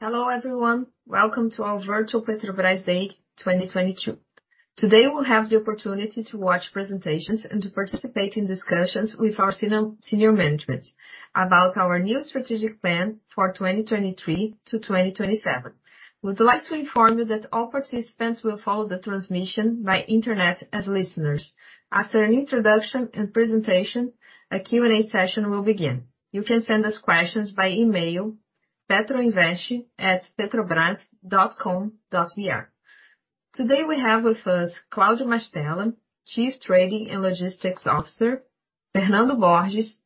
Hello, everyone. Welcome to our virtual Petrobras Day 2022. Today, we'll have the opportunity to watch presentations and to participate in discussions with our senior management about our new strategic plan for 2023 to 2027. We'd like to inform you that all participants will follow the transmission by internet as listeners. After an introduction and presentation, a Q&A session will begin. You can send us questions by email, petroinvest@petrobras.com.br. Today, we have with us Claudio Mastella, Chief Trading and Logistics Officer. Fernando Borges,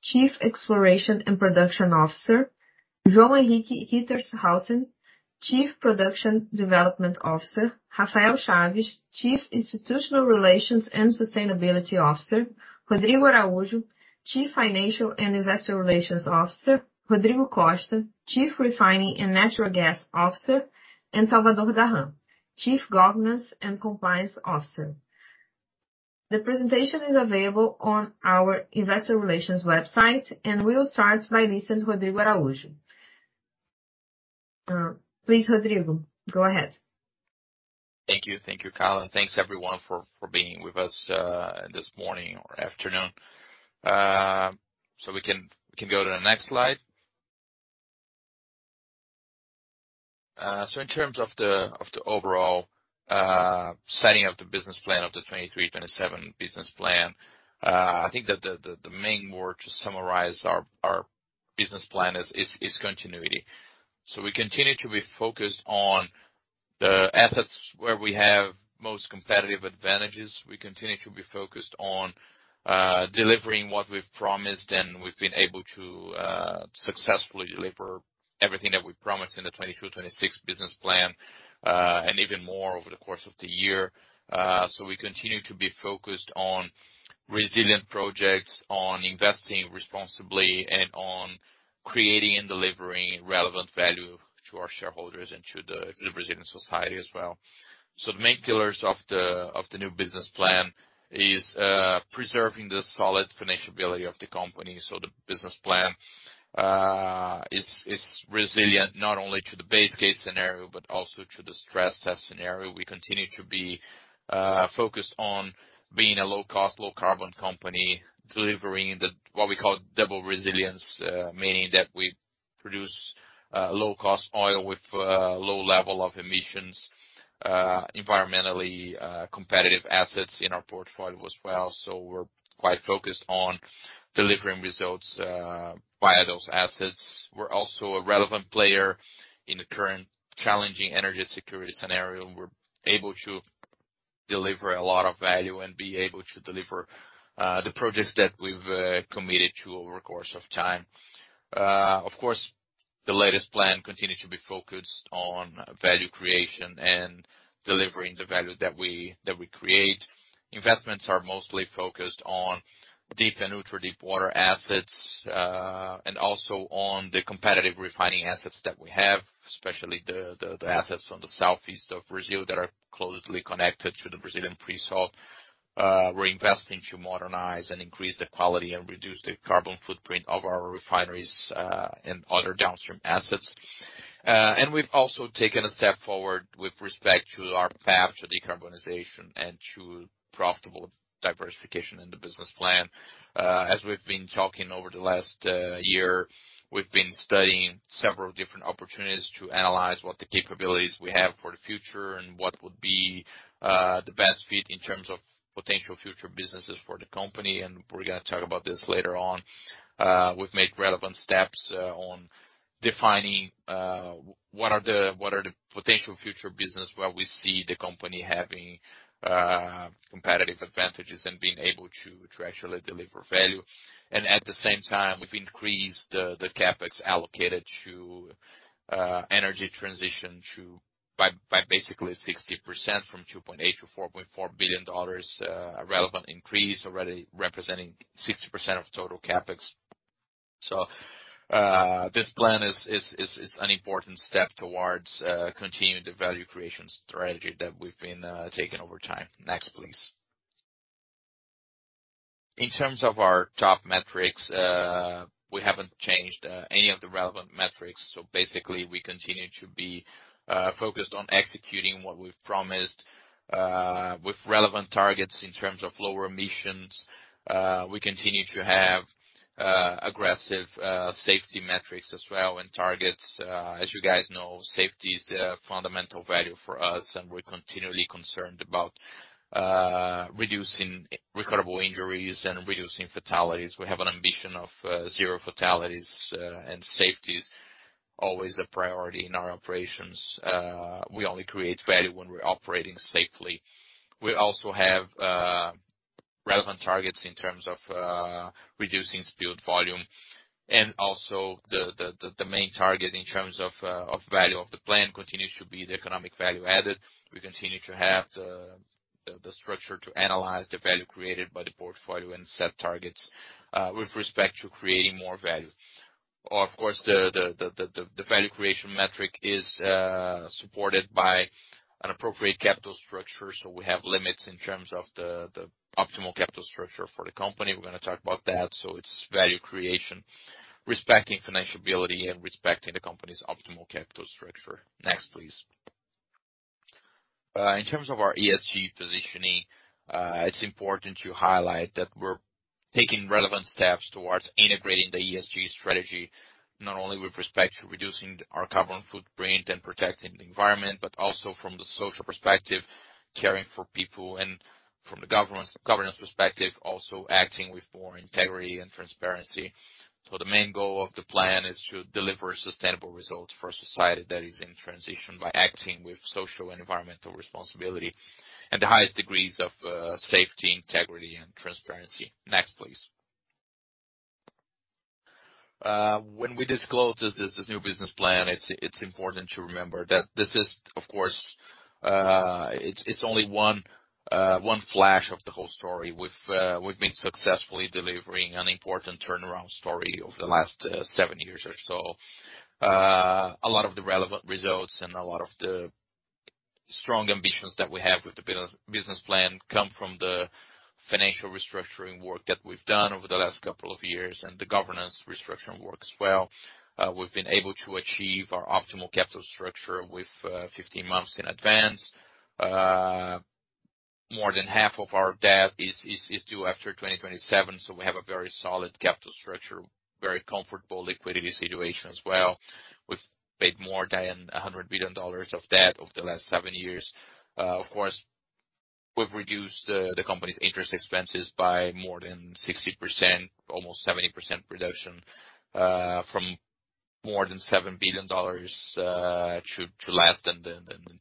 Chief Exploration and Production Officer. João Henrique Rittershausen, Chief Production Development Officer. Rafael Chaves, Chief Institutional Relations and Sustainability Officer. Rodrigo Araujo, Chief Financial and Investor Relations Officer. Rodrigo Costa, Chief Refining and Natural Gas Officer, and Salvador Dahan, Chief Governance and Compliance Officer. The presentation is available on our investor relations website, we'll start by listening Rodrigo Araujo. Please, Rodrigo, go ahead. Thank you. Thank you, Carla. Thanks, everyone, for being with us this morning or afternoon. We can go to the next slide. In terms of the overall setting of the business plan of the 2023-2027 business plan, I think the main word to summarize our business plan is continuity. We continue to be focused on the assets where we have most competitive advantages. We continue to be focused on delivering what we've promised, and we've been able to successfully deliver everything that we promised in the 2026 business plan, and even more over the course of the year. We continue to be focused on resilient projects, on investing responsibly, and on creating and delivering relevant value to our shareholders and to the Brazilian society as well. The main pillars of the new business plan is preserving the solid financial ability of the company. The business plan is resilient, not only to the base case scenario, but also to the stress test scenario. We continue to be focused on being a low cost, low carbon company, delivering what we call Double Resilience, meaning that we produce low cost oil with low level of emissions, environmentally competitive assets in our portfolio as well. We're quite focused on delivering results via those assets. We're also a relevant player in the current challenging energy security scenario. We're able to deliver a lot of value and be able to deliver the projects that we've committed to over the course of time. Of course, the latest plan continues to be focused on value creation and delivering the value that we create. Investments are mostly focused on deep and ultra-deepwater assets and also on the competitive refining assets that we have, especially the assets on the southeast of Brazil that are closely connected to the Brazilian pre-salt. We're investing to modernize and increase the quality and reduce the carbon footprint of our refineries and other downstream assets. We've also taken a step forward with respect to our path to decarbonization and to profitable diversification in the business plan. As we've been talking over the last year, we've been studying several different opportunities to analyze what the capabilities we have for the future and what would be the best fit in terms of potential future businesses for the company. We're gonna talk about this later on. We've made relevant steps on defining what are the potential future business where we see the company having competitive advantages and being able to actually deliver value. At the same time, we've increased the CapEx allocated to energy transition to basically 60% from $2.8 billion-$4.4 billion, a relevant increase already representing 60% of total CapEx. This plan is an important step towards continuing the value creation strategy that we've been taking over time. Next, please. In terms of our top metrics, we haven't changed any of the relevant metrics. Basically, we continue to be focused on executing what we've promised with relevant targets in terms of lower emissions. We continue to have aggressive safety metrics as well, and targets. As you guys know, safety is a fundamental value for us, and we're continually concerned about reducing recordable injuries and reducing fatalities. We have an ambition of zero fatalities, and safety is always a priority in our operations. We only create value when we're operating safely. We also have relevant targets in terms of reducing spilled volume. Also the main target in terms of value of the plan continues to be the economic value added. We continue to have the structure to analyze the value created by the portfolio and set targets with respect to creating more value. Of course, the value creation metric is supported by an appropriate capital structure, so we have limits in terms of the optimal capital structure for the company. We're gonna talk about that. It's value creation, respecting financial ability and respecting the company's optimal capital structure. Next, please. In terms of our ESG positioning, it's important to highlight that we're taking relevant steps towards integrating the ESG strategy, not only with respect to reducing our carbon footprint and protecting the environment, but also from the social perspective, caring for people and from the governance perspective, also acting with more integrity and transparency. The main goal of the plan is to deliver sustainable results for society that is in transition by acting with social and environmental responsibility and the highest degrees of safety, integrity and transparency. Next, please. When we disclose this new business plan, it's important to remember that this is of course, it's only one flash of the whole story with, we've been successfully delivering an important turnaround story over the last seven years or so. A lot of the relevant results and a lot of the strong ambitions that we have with the business plan come from the financial restructuring work that we've done over the last couple of years, and the governance restructuring work as well. We've been able to achieve our optimal capital structure with 15 months in advance. More than half of our debt is due after 2027, so we have a very solid capital structure, very comfortable liquidity situation as well. We've paid more than $100 billion of debt over the last seven years. Of course, we've reduced the company's interest expenses by more than 60%, almost 70% reduction, from more than $7 billion to less than $2 billion.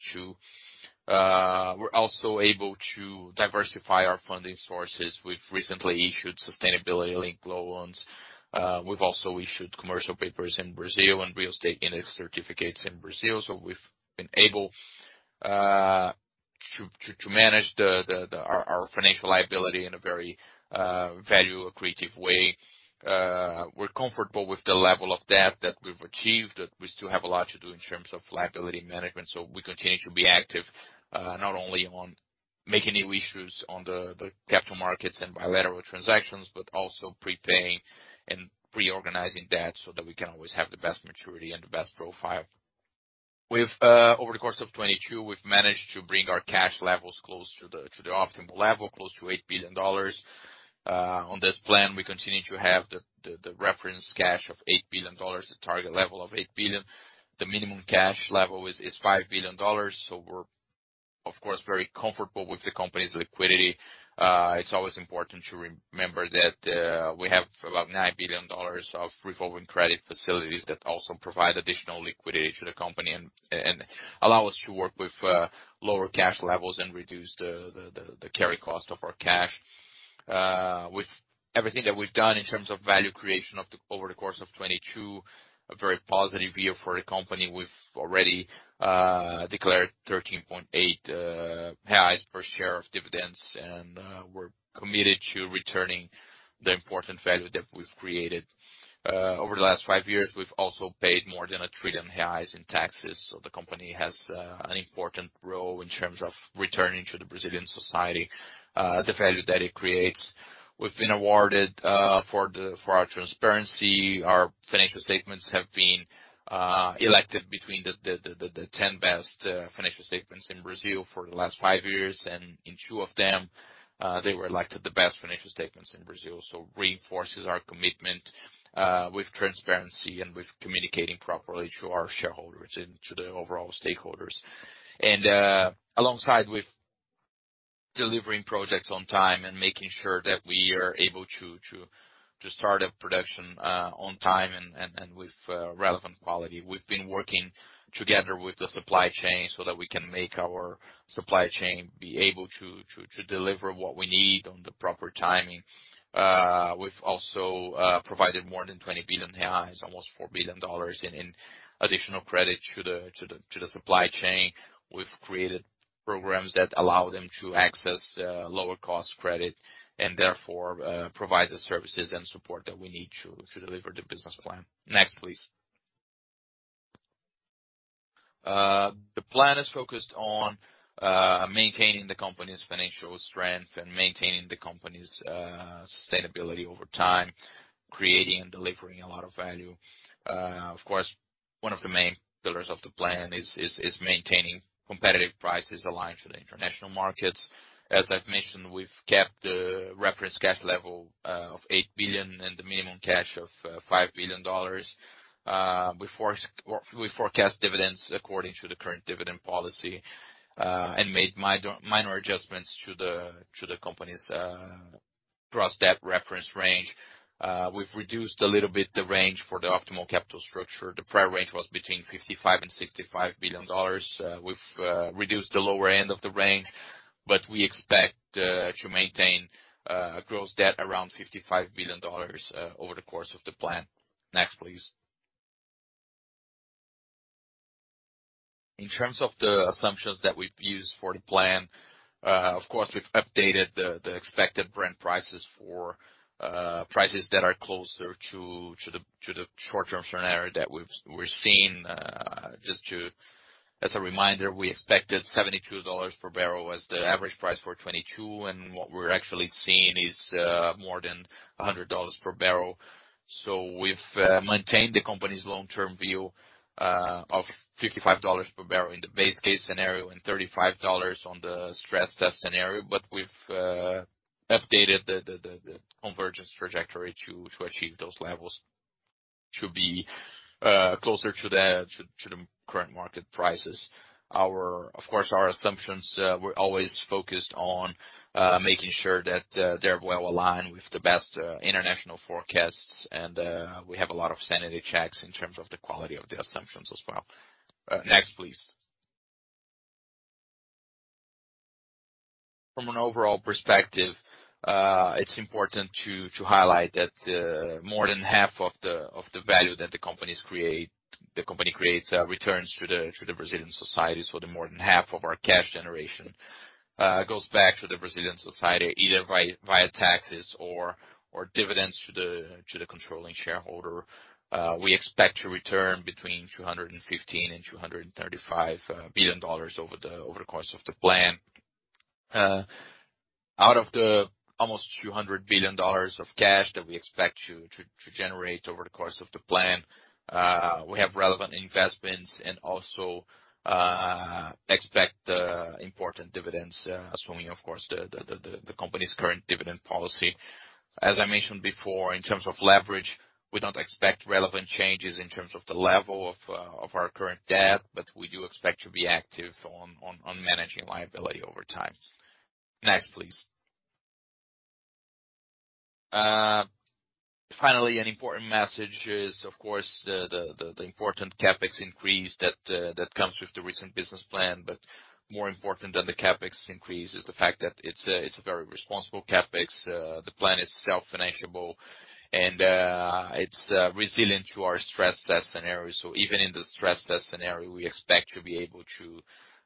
We're also able to diversify our funding sources. We've recently issued sustainability-linked loans. We've also issued commercial papers in Brazil and real estate index certificates in Brazil. We've been able to manage the our financial liability in a very value creative way. We're comfortable with the level of debt that we've achieved, that we still have a lot to do in terms of liability management. We continue to be active, not only on making new issues on the capital markets and bilateral transactions, but also prepaying and reorganizing debt so that we can always have the best maturity and the best profile. We've over the course of 2022, we've managed to bring our cash levels close to the optimal level, close to $8 billion. On this plan, we continue to have the reference cash of $8 billion, the target level of $8 billion. The minimum cash level is $5 billion. We're of course very comfortable with the company's liquidity. It's always important to remember that we have about $9 billion of revolving credit facilities that also provide additional liquidity to the company and allow us to work with lower cash levels and reduce the carry cost of our cash. With everything that we've done in terms of value creation over the course of 2022, a very positive year for the company. We've already declared 13.8 reais per share of dividends and we're committed to returning the important value that we've created. Over the last five years, we've also paid more than 1 trillion reais in taxes, so the company has an important role in terms of returning to the Brazilian society the value that it creates. We've been awarded for our transparency. Our financial statements have been elected between the 10 best financial statements in Brazil for the last five years. And in two of them, they were elected the best financial statements in Brazil. So reinforces our commitment with transparency and with communicating properly to our shareholders and to the overall stakeholders. And alongside with delivering projects on time and making sure that we are able to start up production on time and with relevant quality. We've been working together with the supply chain so that we can make our supply chain be able to deliver what we need on the proper timing. We've also provided more than 20 billion reais, almost $4 billion in additional credit to the supply chain. We've created programs that allow them to access lower cost credit and therefore provide the services and support that we need to deliver the business plan. Next, please. The plan is focused on maintaining the company's financial strength and maintaining the company's sustainability over time, creating and delivering a lot of value. Of course, one of the main pillars of the plan is maintaining competitive prices aligned to the international markets. As I've mentioned, we've kept the reference cash level of $8 billion and the minimum cash of $5 billion. We forecast dividends according to the current dividend policy and made minor adjustments to the company's gross debt reference range. We've reduced a little bit the range for the optimal capital structure. The prior range was between $55 billion-$65 billion. We've reduced the lower end of the range, but we expect to maintain a gross debt around $55 billion over the course of the plan. Next, please. In terms of the assumptions that we've used for the plan, of course, we've updated the expected Brent prices for prices that are closer to the short-term scenario that we're seeing. Just to, as a reminder, we expected $72 per barrel as the average price for 2022 and what we're actually seeing is, more than $100 per barrel. We've maintained the company's long-term view of $55 per barrel in the base case scenario and $35 on the stress test scenario. We've updated the convergence trajectory to achieve those levels to be closer to the current market prices. Of course, our assumptions, we're always focused on making sure that they're well-aligned with the best international forecasts and we have a lot of sanity checks in terms of the quality of the assumptions as well. Next, please. From an overall perspective, it's important to highlight that more than half of the value that the company creates returns to the Brazilian societies, for the more than half of our cash generation goes back to the Brazilian society, either via taxes or dividends to the controlling shareholder. We expect to return between $215 billion and $235 billion over the course of the plan. Out of the almost $200 billion of cash that we expect to generate over the course of the plan, we have relevant investments and also expect important dividends, assuming of course, the company's current dividend policy. As I mentioned before, in terms of leverage, we don't expect relevant changes in terms of the level of our current debt. We do expect to be active on managing liability over time. Next, please. Finally, an important message is of course, the important CapEx increase that comes with the recent business plan. More important than the CapEx increase is the fact that it's a very responsible CapEx. The plan is self-financeable. It's resilient to our stress test scenario. Even in the stress test scenario, we expect to be able to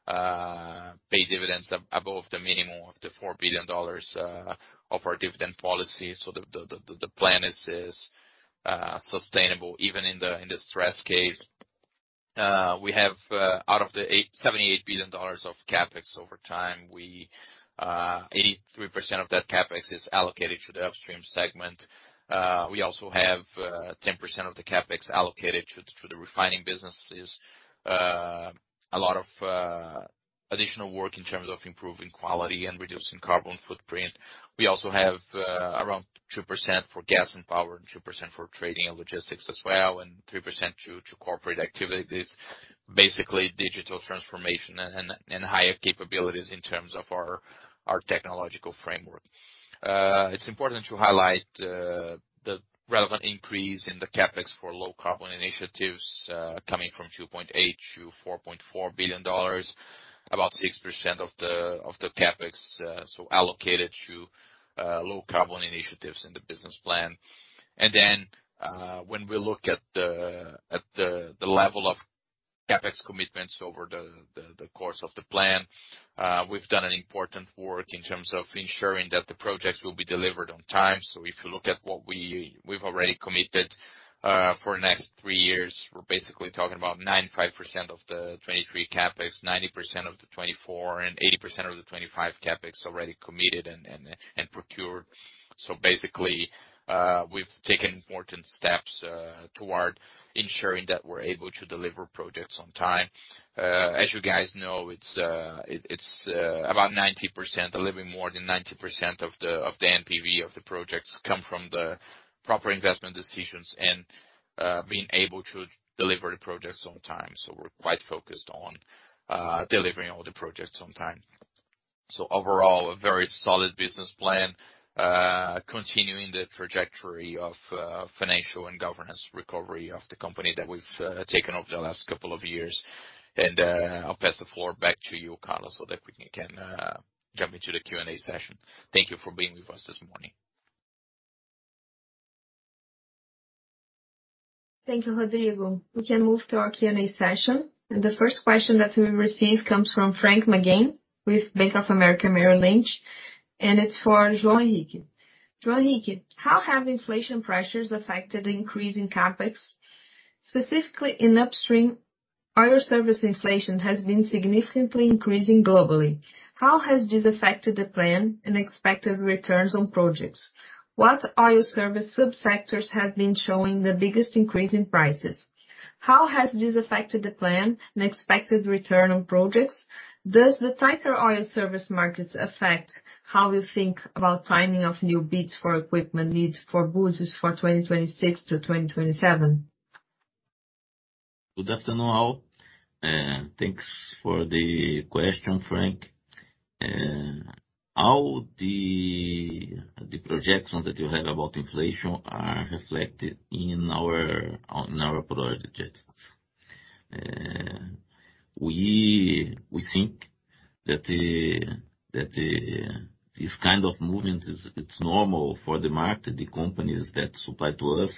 pay dividends above the minimum of the $4 billion of our dividend policy. The plan is sustainable even in the stress case. We have out of the $78 billion of CapEx over time, we 83% of that CapEx is allocated to the upstream segment. We also have 10% of the CapEx allocated to the refining businesses. A lot of additional work in terms of improving quality and reducing carbon footprint. We also have around 2% for gas and power, and 2% for trading and logistics as well, and 3% to corporate activities. Basically digital transformation and higher capabilities in terms of our technological framework. It's important to highlight the relevant increase in the CapEx for low carbon initiatives, coming from $2.8 billion-$4.4 billion, about 6% of the CapEx so allocated to low carbon initiatives in the business plan. When we look at the level of CapEx commitments over the course of the plan, we've done an important work in terms of ensuring that the projects will be delivered on time. If you look at what we've already committed for the next three years, we're basically talking about 95% of the 2023 CapEx, 90% of the 2024, and 80% of the 2025 CapEx already committed and procured. Basically, we've taken important steps toward ensuring that we're able to deliver projects on time. As you guys know, it's about 90%. A little bit more than 90% of the NPV of the projects come from the proper investment decisions and being able to deliver the projects on time. We're quite focused on delivering all the projects on time. Overall, a very solid business plan, continuing the trajectory of financial and governance recovery of the company that we've taken over the last couple of years. I'll pass the floor back to you, Carla, so that we can jump into the Q&A session. Thank you for being with us this morning. Thank you, Rodrigo. We can move to our Q&A session. The first question that we received comes from Frank McGann with Bank of America Merrill Lynch, and it's for João Henrique. João Henrique, how have inflation pressures affected the increase in CapEx? Specifically in upstream, oil service inflation has been significantly increasing globally. How has this affected the plan and expected returns on projects? What oil service sub-sectors have been showing the biggest increase in prices? How has this affected the plan and expected return on projects? Does the tighter oil service markets affect how you think about timing of new bids for equipment needs for boosts for 2026-2027? Good afternoon, all. Thanks for the question, Frank. All the projections that you have about inflation are reflected on our project checks. We think that this kind of movement is normal for the market. The companies that supply to us,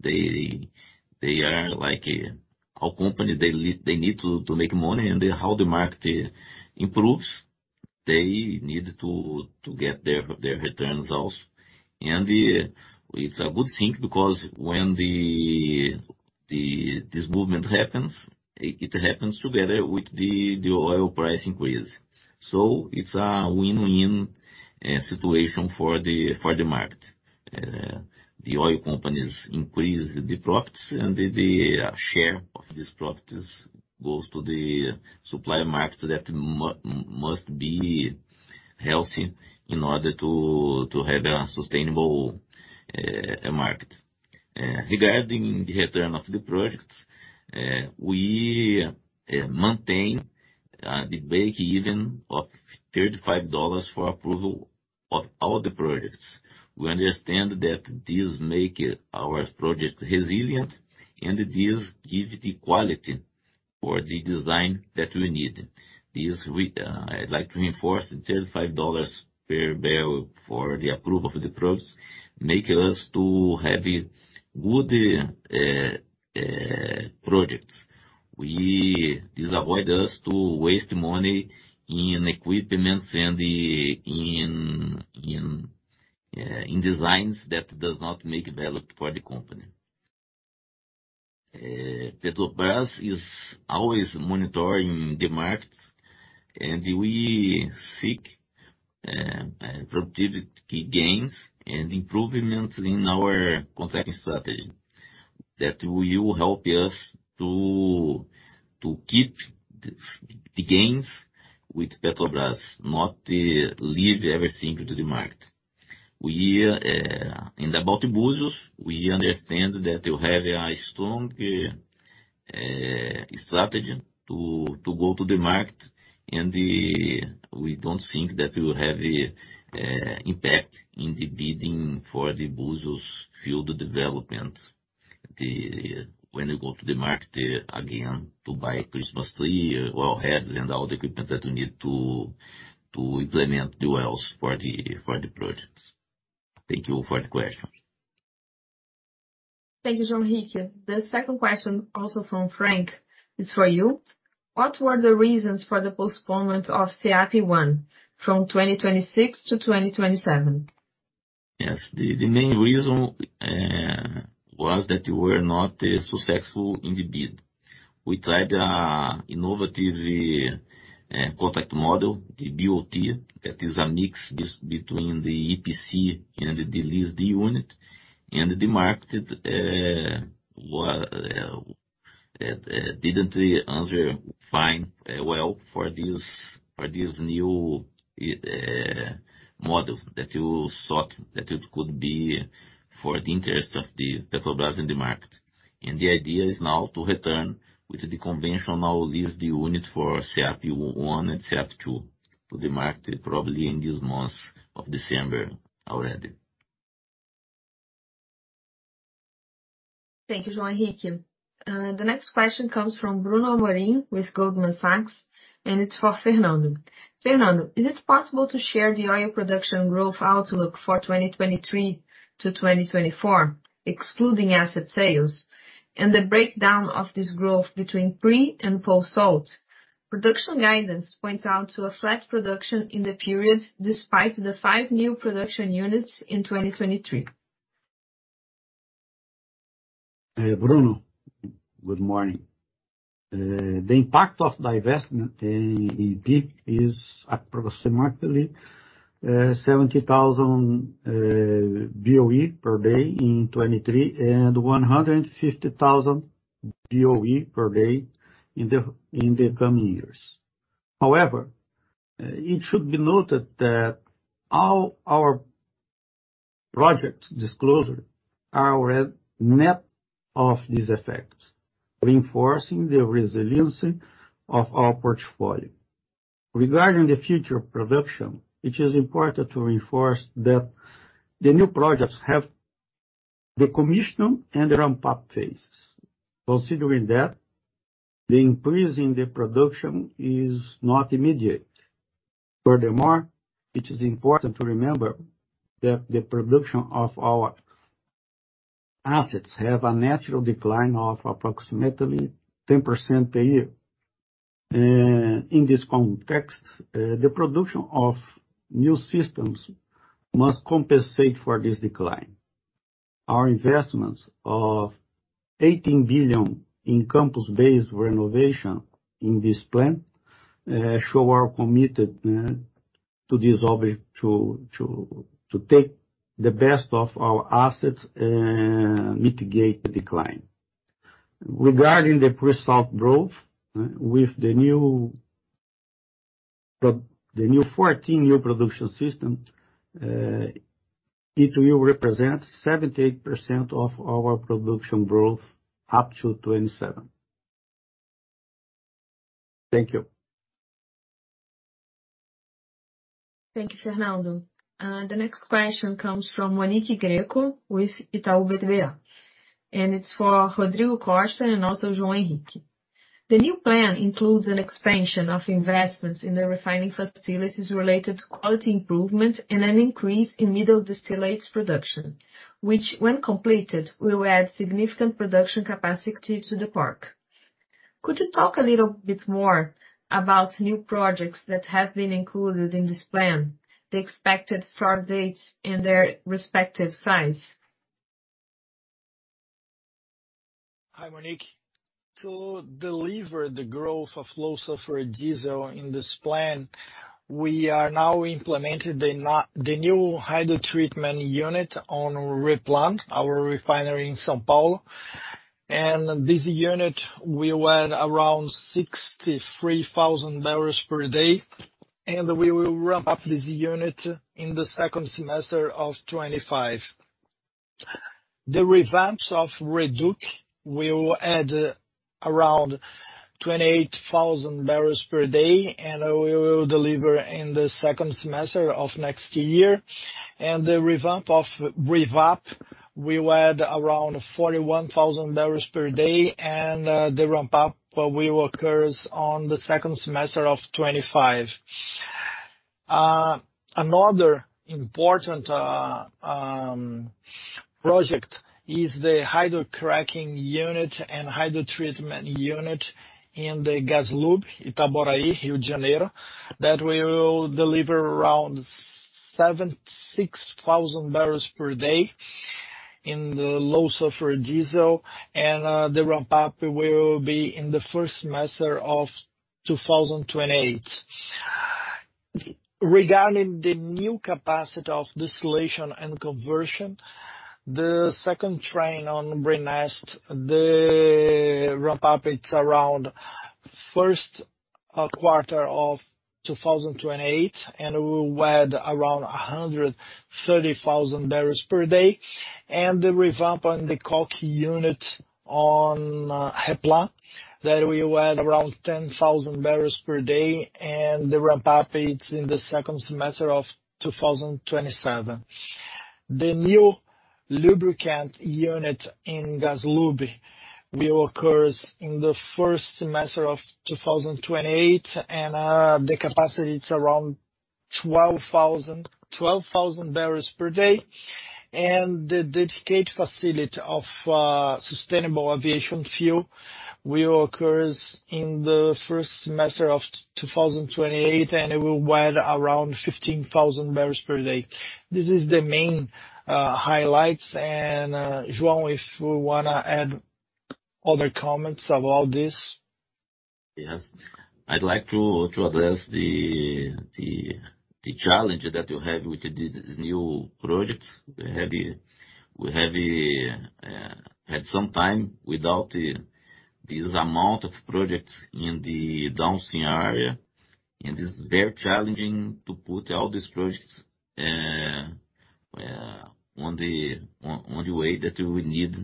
they are like our company. They need to make money, and how the market improves, they need to get their returns also. It's a good thing because when this movement happens, it happens together with the oil price increase. It's a win-win situation for the market. The oil companies increase the profits and the share of these profits goes to the supplier market that must be healthy in order to have a sustainable market. Regarding the return of the projects, we maintain the breakeven of $35 for approval of all the projects. We understand that this make our project resilient, and this give the quality for the design that we need. This we, I'd like to reinforce the $35 per barrel for the approval of the projects make us to have good projects. This avoid us to waste money in equipments and in designs that does not make value for the company. Petrobras is always monitoring the markets, and we seek productivity gains and improvements in our contracting strategy that will help us to keep the gains with Petrobras, not leave everything to the market. We, about Búzios, we understand that to have a strong strategy to go to the market and we don't think that will have a impact in the bidding for the Búzios field development. When you go to the market again to buy a Christmas tree or heads and all the equipment that you need to implement the wells for the projects. Thank you for the question. Thank you, João Henrique. The second question, also from Frank, is for you. What were the reasons for the postponement of SEAP I from 2026-2027? Yes. The main reason was that we're not successful in the bid. We tried innovative contract model, the BOT, that is a mix between the EPC and the lease unit, and the market didn't answer fine, well for this, for this new model that you thought that it could be for the interest of the Petrobras in the market. And the idea is now to return with the conventional lease unit for SEAP I and SEAP II to the market, probably in this month of December already. Thank you, João Henrique. The next question comes from Bruno Amorim with Goldman Sachs, and it's for Fernando. Fernando, is it possible to share the oil production growth outlook for 2023-2024, excluding asset sales, and the breakdown of this growth between pre-salt and post-salt? Production guidance points out to a flat production in the period, despite the five new production units in 2023. Bruno, good morning. The impact of divestment in PIC is approximately 70,000 BOE per day in 2023 and 150,000 BOE per day in the coming years. However, it should be noted that all our projects disclosure are net of these effects, reinforcing the resiliency of our portfolio. Regarding the future production, it is important to reinforce that the new projects have the commission and the ramp-up phases. Considering that the increase in the production is not immediate. Furthermore, it is important to remember that the production of our assets have a natural decline of approximately 10% a year. In this context, the production of new systems must compensate for this decline. Our investments of $18 billion in Campos Basin renovation in this plan, show we're committed to this object to take the best of our assets and mitigate the decline. Regarding the pre-salt growth, with the new 14 new production system, it will represent 78% of our production growth up to 2027. Thank you. Thank you, Fernando. The next question comes from Monique Greco with Itaú BBA, and it's for Rodrigo Costa and also João Henrique. The new plan includes an expansion of investments in the refining facilities related to quality improvement and an increase in middle distillates production, which when completed, will add significant production capacity to the park. Could you talk a little bit more about new projects that have been included in this plan, the expected start dates and their respective size? Hi, Monique. To deliver the growth of low sulfur diesel in this plan, we are now implementing the new hydrotreatment unit on REPLAN, our refinery in São Paulo. This unit will add around 63,000 barrels per day, and we will ramp up this unit in the second semester of 2025. The revamps of REDUC will add around 28,000 barrels per day, and we will deliver in the second semester of next year. The revamp of REVAP, we will add around 41,000 barrels per day and the ramp-up will occurs on the second semester of 2025. Another important project is the hydrocracking unit and hydrotreatment unit in the GasLub Itaboraí, Rio de Janeiro, that we will deliver around 6,000 barrels per day in the low sulfur diesel. The ramp-up will be in the first semester of 2028. Regarding the new capacity of distillation and conversion, the second train on RNEST, the ramp-up, it's around first quarter of 2028, and we'll add around 130,000 barrels per day. The revamp on the coker unit on REPLAN, that we will add around 10,000 barrels per day, and the ramp-up, it's in the second semester of 2027. The new lubricant unit in GasLub will occurs in the first semester of 2028, the capacity, it's around 12,000 barrels per day. The dedicated facility of sustainable aviation fuel will occurs in the first semester of 2028, and it will add around 15,000 barrels per day. This is the main highlights. João, if you wanna add other comments about this. Yes. I'd like to address the challenge that we have with the new projects. We have had some time without this amount of projects in the downstream area, and it's very challenging to put all these projects on the way that we need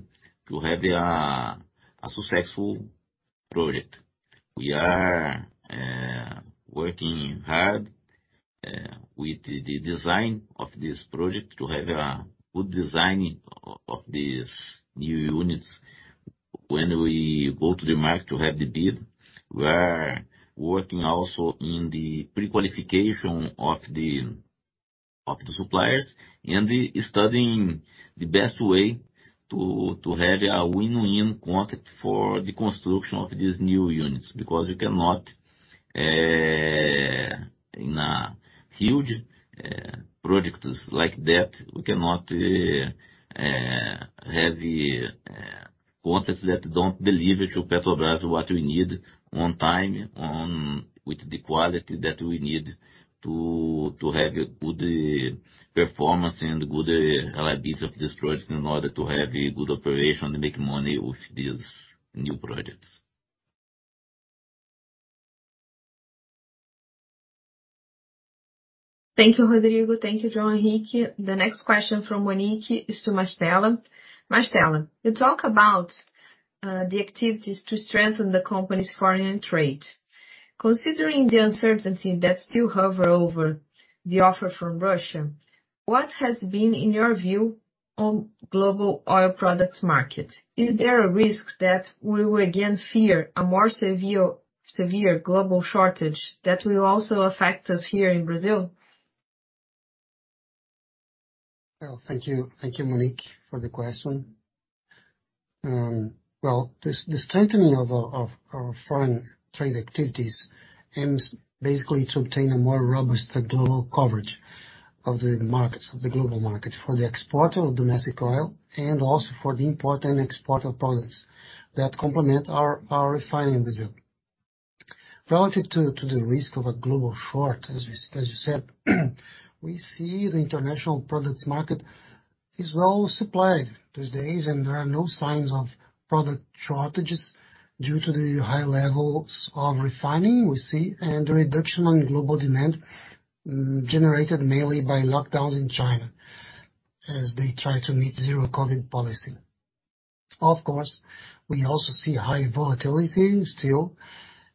to have a successful project. We are working hard with the design of this project to have a good design of these new units. When we go to the market to have the bid, we are working also in the prequalification of the suppliers and studying the best way to have a win-win contract for the construction of these new units. We cannot in a huge projects like that, we cannot have contracts that don't deliver to Petrobras what we need on time, on with the quality that we need to have a good performance and good reliability of this project in order to have a good operation and make money with these new projects. Thank you, Rodrigo. Thank you, João Henrique. The next question from Monique is to Mastella. Mastella, you talk about, the activities to strengthen the company's foreign trade. Considering the uncertainty that still hover over the offer from Russia, what has been, in your view, on global oil products market? Is there a risk that we will, again, fear a more severe global shortage that will also affect us here in Brazil? Well, thank you. Thank you, Monique, for the question. Well, the strengthening of our foreign trade activities aims basically to obtain a more robust global coverage of the markets, of the global market, for the export of domestic oil and also for the import and export of products that complement our refining reserve. Relative to the risk of a global shortage, as you said, we see the international products market is well supplied these days, and there are no signs of product shortages due to the high levels of refining we see and the reduction on global demand, generated mainly by lockdowns in China as they try to meet Zero-COVID policy. Of course, we also see high volatility still,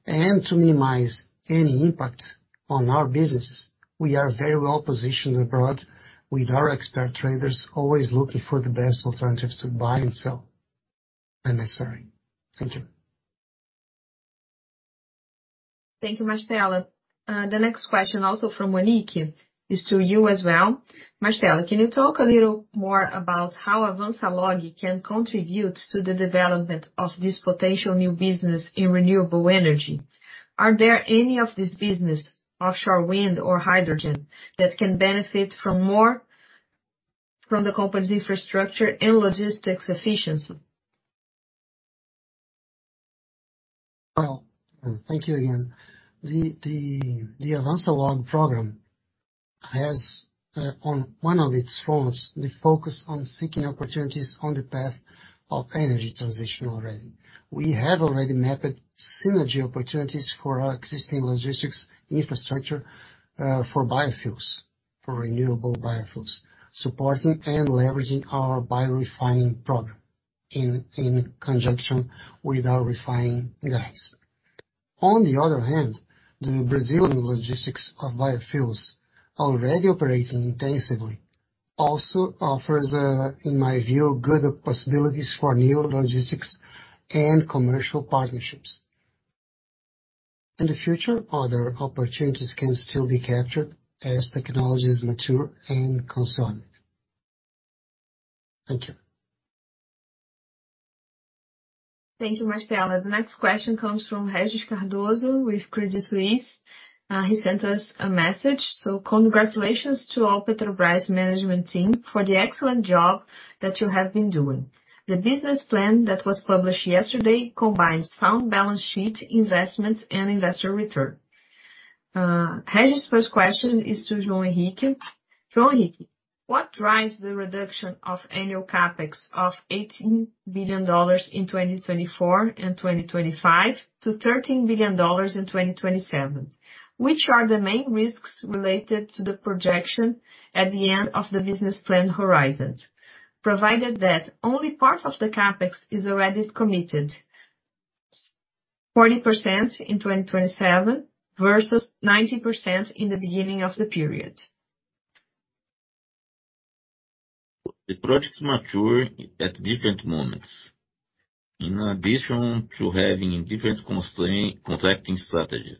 and to minimize any impact on our businesses, we are very well-positioned abroad with our expert traders, always looking for the best alternatives to buy and sell when necessary. Thank you. Thank you, Mastella. The next question, also from Monique, is to you as well. Mastella, can you talk a little more about how AvançaLog can contribute to the development of this potential new business in renewable energy? Are there any of this business, offshore wind or hydrogen, that can benefit from more from the company's infrastructure and logistics efficiency? Well, thank you again. The AvançaLog program has on one of its fronts, the focus on seeking opportunities on the path of energy transition already. We have already mapped synergy opportunities for our existing logistics infrastructure for biofuels, for renewable biofuels, supporting and leveraging our biorefining program in conjunction with our refining guys. On the other hand, the Brazilian logistics of biofuels already operating intensively, also offers a, in my view, good possibilities for new logistics and commercial partnerships. In the future, other opportunities can still be captured as technologies mature and consolidated. Thank you. Thank you, Mastella. The next question comes from Regis Cardoso with Credit Suisse. He sent us a message. Congratulations to all Petrobras management team for the excellent job that you have been doing. The business plan that was published yesterday combines sound balance sheet investments and industrial return. Regis' first question is to João Henrique. João Henrique, what drives the reduction of annual CapEx of $18 billion in 2024 and 2025 to $13 billion in 2027? Which are the main risks related to the projection at the end of the business plan horizon, provided that only part of the CapEx is already committed, 40% in 2027 versus 90% in the beginning of the period? The projects mature at different moments. In addition to having a different contracting strategy,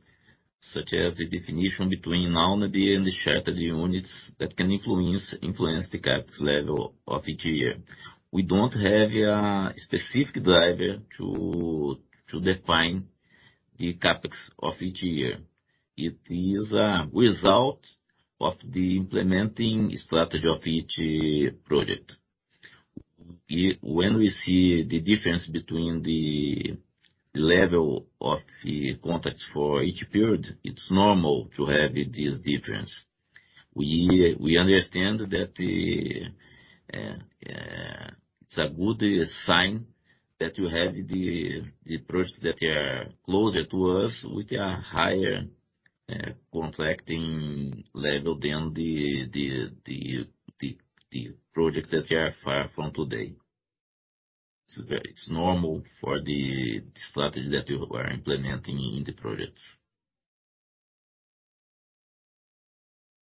such as the definition between now and the end chartered units that can influence the CapEx level of each year. We don't have a specific driver to define the CapEx of each year. It is a result of the implementing strategy of each project. When we see the difference between the level of the contracts for each period, it's normal to have this difference. We understand that it's a good sign that you have the projects that are closer to us with a higher contracting level than the projects that are far from today. It's normal for the strategy that we are implementing in the projects.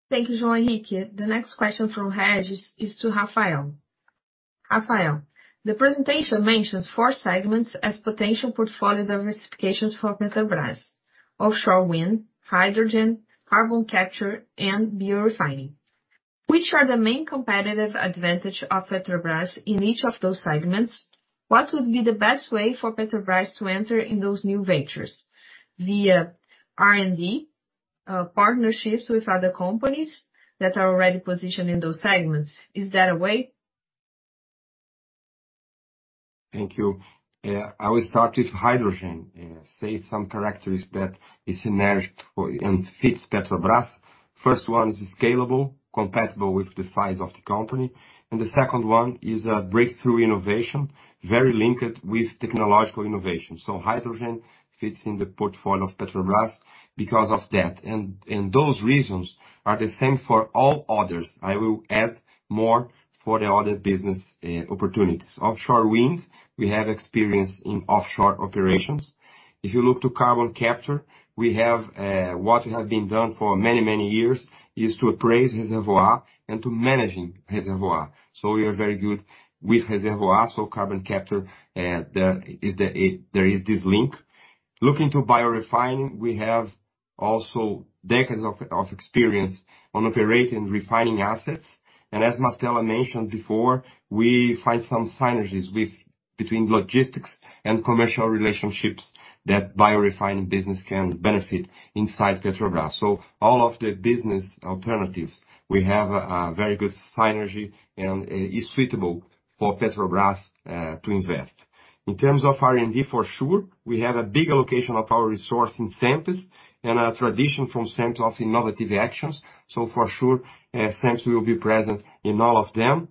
Thank you, João Henrique. The next question from Regis Cardoso is to Rafael Chaves Santos. Rafael Chaves Santos, the presentation mentions four segments as potential portfolio diversifications for Petrobras: offshore wind, hydrogen, carbon capture, and biorefining. Which are the main competitive advantage of Petrobras in each of those segments? What would be the best way for Petrobras to enter in those new ventures? Via R&D, partnerships with other companies that are already positioned in those segments. Is there a way? Thank you. I will start with hydrogen, say some characteristics that is synergistic for and fits Petrobras. First one is scalable, compatible with the size of the company, and the second one is a breakthrough innovation, very linked with technological innovation. Hydrogen fits in the portfolio of Petrobras because of that. Those reasons are the same for all others. I will add more for the other business opportunities. Offshore wind, we have experience in offshore operations. If you look to carbon capture, we have what we have been done for many, many years is to appraise reservoir and to managing reservoir. We are very good with reservoir. Carbon capture, there is this link. Looking to biorefining, we have also decades of experience on operating refining assets. As Mastella mentioned before, we find some synergies between logistics and commercial relationships that biorefining business can benefit inside Petrobras. All of the business alternatives, we have a very good synergy and is suitable for Petrobras to invest. In terms of R&D, for sure, we have a big allocation of our resource in CENPES and a tradition from CENPES of innovative actions. For sure, CENPES will be present in all of them.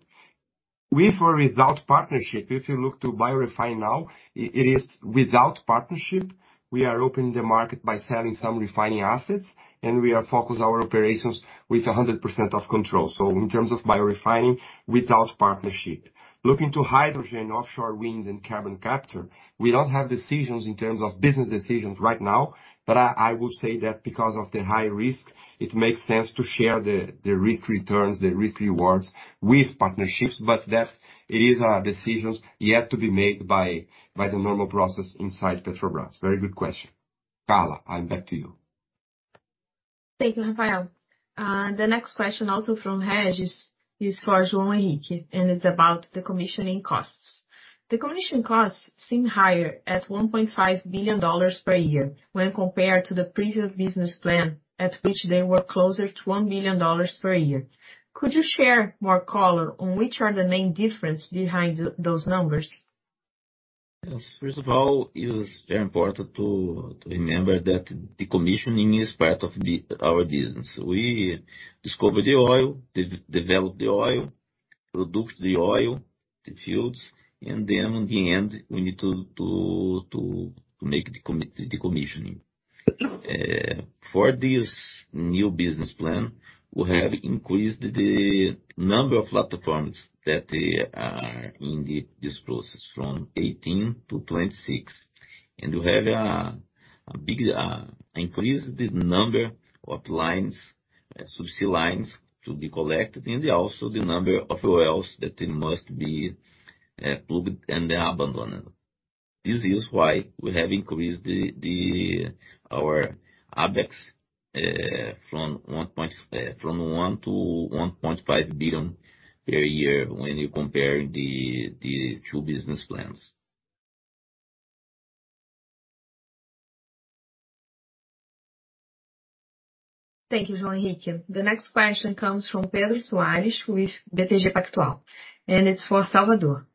With or without partnership, if you look to biorefine now, it is without partnership. We are opening the market by selling some refining assets, and we are focused our operations with 100% of control. In terms of biorefining, without partnership. Looking to hydrogen, offshore wind and carbon capture, we don't have decisions in terms of business decisions right now, but I would say that because of the high risk, it makes sense to share the risk returns, the risk rewards with partnerships. That is decisions yet to be made by the normal process inside Petrobras. Very good question. Carla, I'm back to you. Thank you, Rafael. The next question also from Regis is for João Henrique, it's about the commissioning costs. The commissioning costs seem higher at $1.5 billion per year when compared to the previous business plan, at which they were closer to $1 million per year. Could you share more color on which are the main difference behind those numbers? Yes. First of all, it is very important to remember that the commissioning is part of our business. We discover the oil, develop the oil, produce the oil, the fields, and then in the end, we need to make the decommissioning. For this new business plan, we have increased the number of platforms that are in this process from 18-26. We have a big increase the number of lines, subsea lines to be collected and also the number of wells that must be plugged and abandoned. This is why we have increased our CapEx from $1 billion-$1.5 billion per year when you compare the two business plans. Thank you, João Henrique. The next question comes from Pedro Soares with BTG Pactual, and it's for Salvador.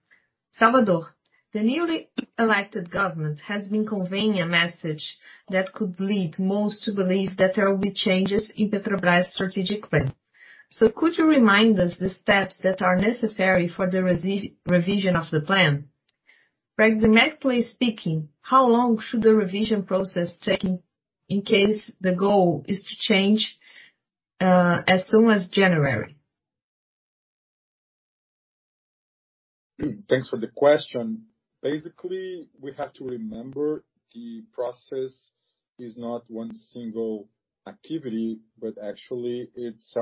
Salvador, the newly elected government has been conveying a message that could lead most to believe that there will be changes in Petrobras' strategic plan. Could you remind us the steps that are necessary for the revision of the plan? Pragmatically speaking, how long should the revision process take in case the goal is to change, as soon as January? Thanks for the question. Basically, we have to remember the process is not one single activity, but actually it's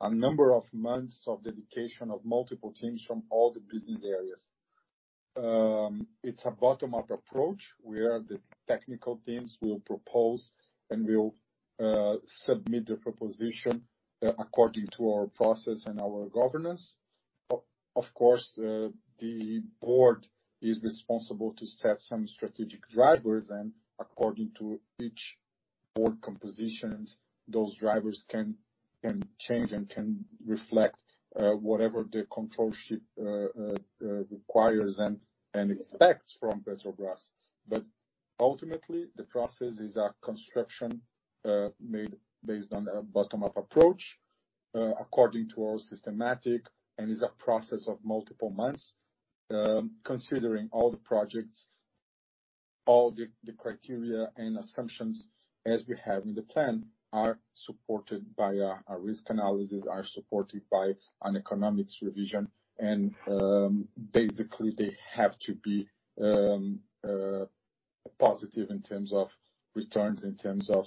a number of months of dedication of multiple teams from all the business areas. It's a bottom-up approach, where the technical teams will propose and will submit the proposition according to our process and our governance. Of course, the board is responsible to set some strategic drivers, and according to each board compositions, those drivers can change and can reflect whatever the control ship requires and expects from Petrobras. But ultimately, the process is a construction made based on a bottom-up approach according to our systematic, and is a process of multiple months. Considering all the projects, all the criteria and assumptions as we have in the plan are supported by a risk analysis, are supported by an economics revision. Basically, they have to be positive in terms of returns, in terms of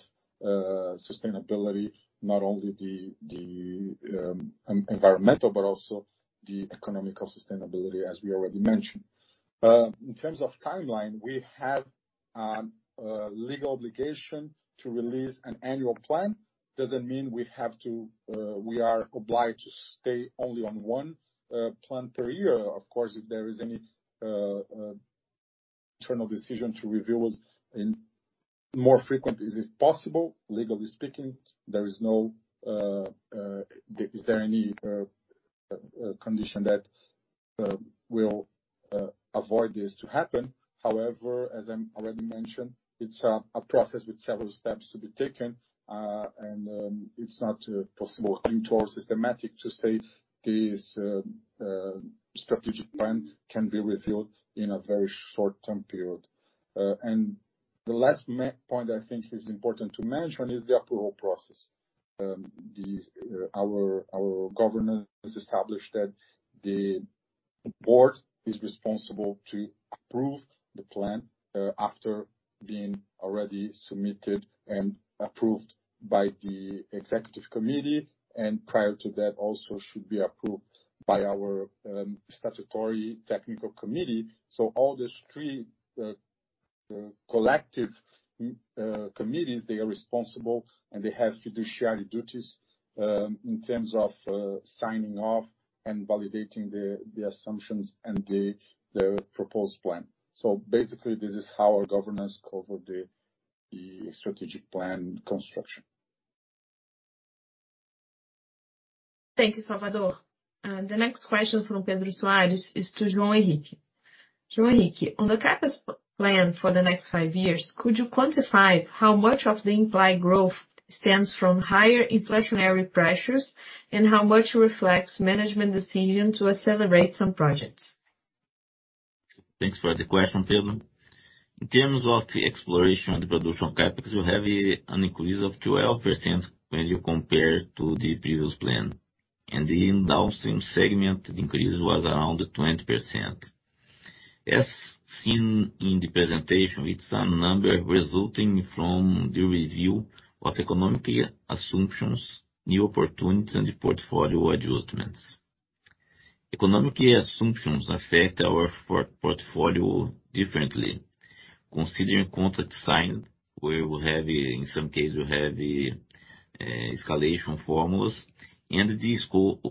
sustainability, not only the environmental but also the economical sustainability as we already mentioned. In terms of timeline, we have a legal obligation to release an annual plan. Doesn't mean we have to, we are obliged to stay only on one plan per year. Of course, if there is any internal decision to review us in more frequent, is it possible, legally speaking, Is there any condition that will avoid this to happen. However, as I'm already mentioned, it's a process with several steps to be taken, and it's not possible in toward systematic to say this strategic plan can be reviewed in a very short-term period. The last point I think is important to mention is the approval process. Our governance established that the board is responsible to approve the plan after being already submitted and approved by the executive committee, and prior to that also should be approved by our statutory technical committee. All these three collective committees, they are responsible, and they have fiduciary duties in terms of signing off and validating assumptions and proposed plan. Basically, this is how our governance cover strategic plan construction. Thank you, Salvador. The next question from Pedro Soares is to João Henrique. João Henrique, on the CapEx plan for the next five years, could you quantify how much of the implied growth stems from higher inflationary pressures, and how much reflects management decision to accelerate some projects? Thanks for the question, Pedro. In terms of exploration and production CapEx, we have an increase of 12% when you compare to the previous plan. In downstream segment, the increase was around 20%. As seen in the presentation, it's a number resulting from the review of economic assumptions, new opportunities and the portfolio adjustments. Economic assumptions affect our for-portfolio differently. Considering contract signed, where we have, in some case, escalation formulas and the scope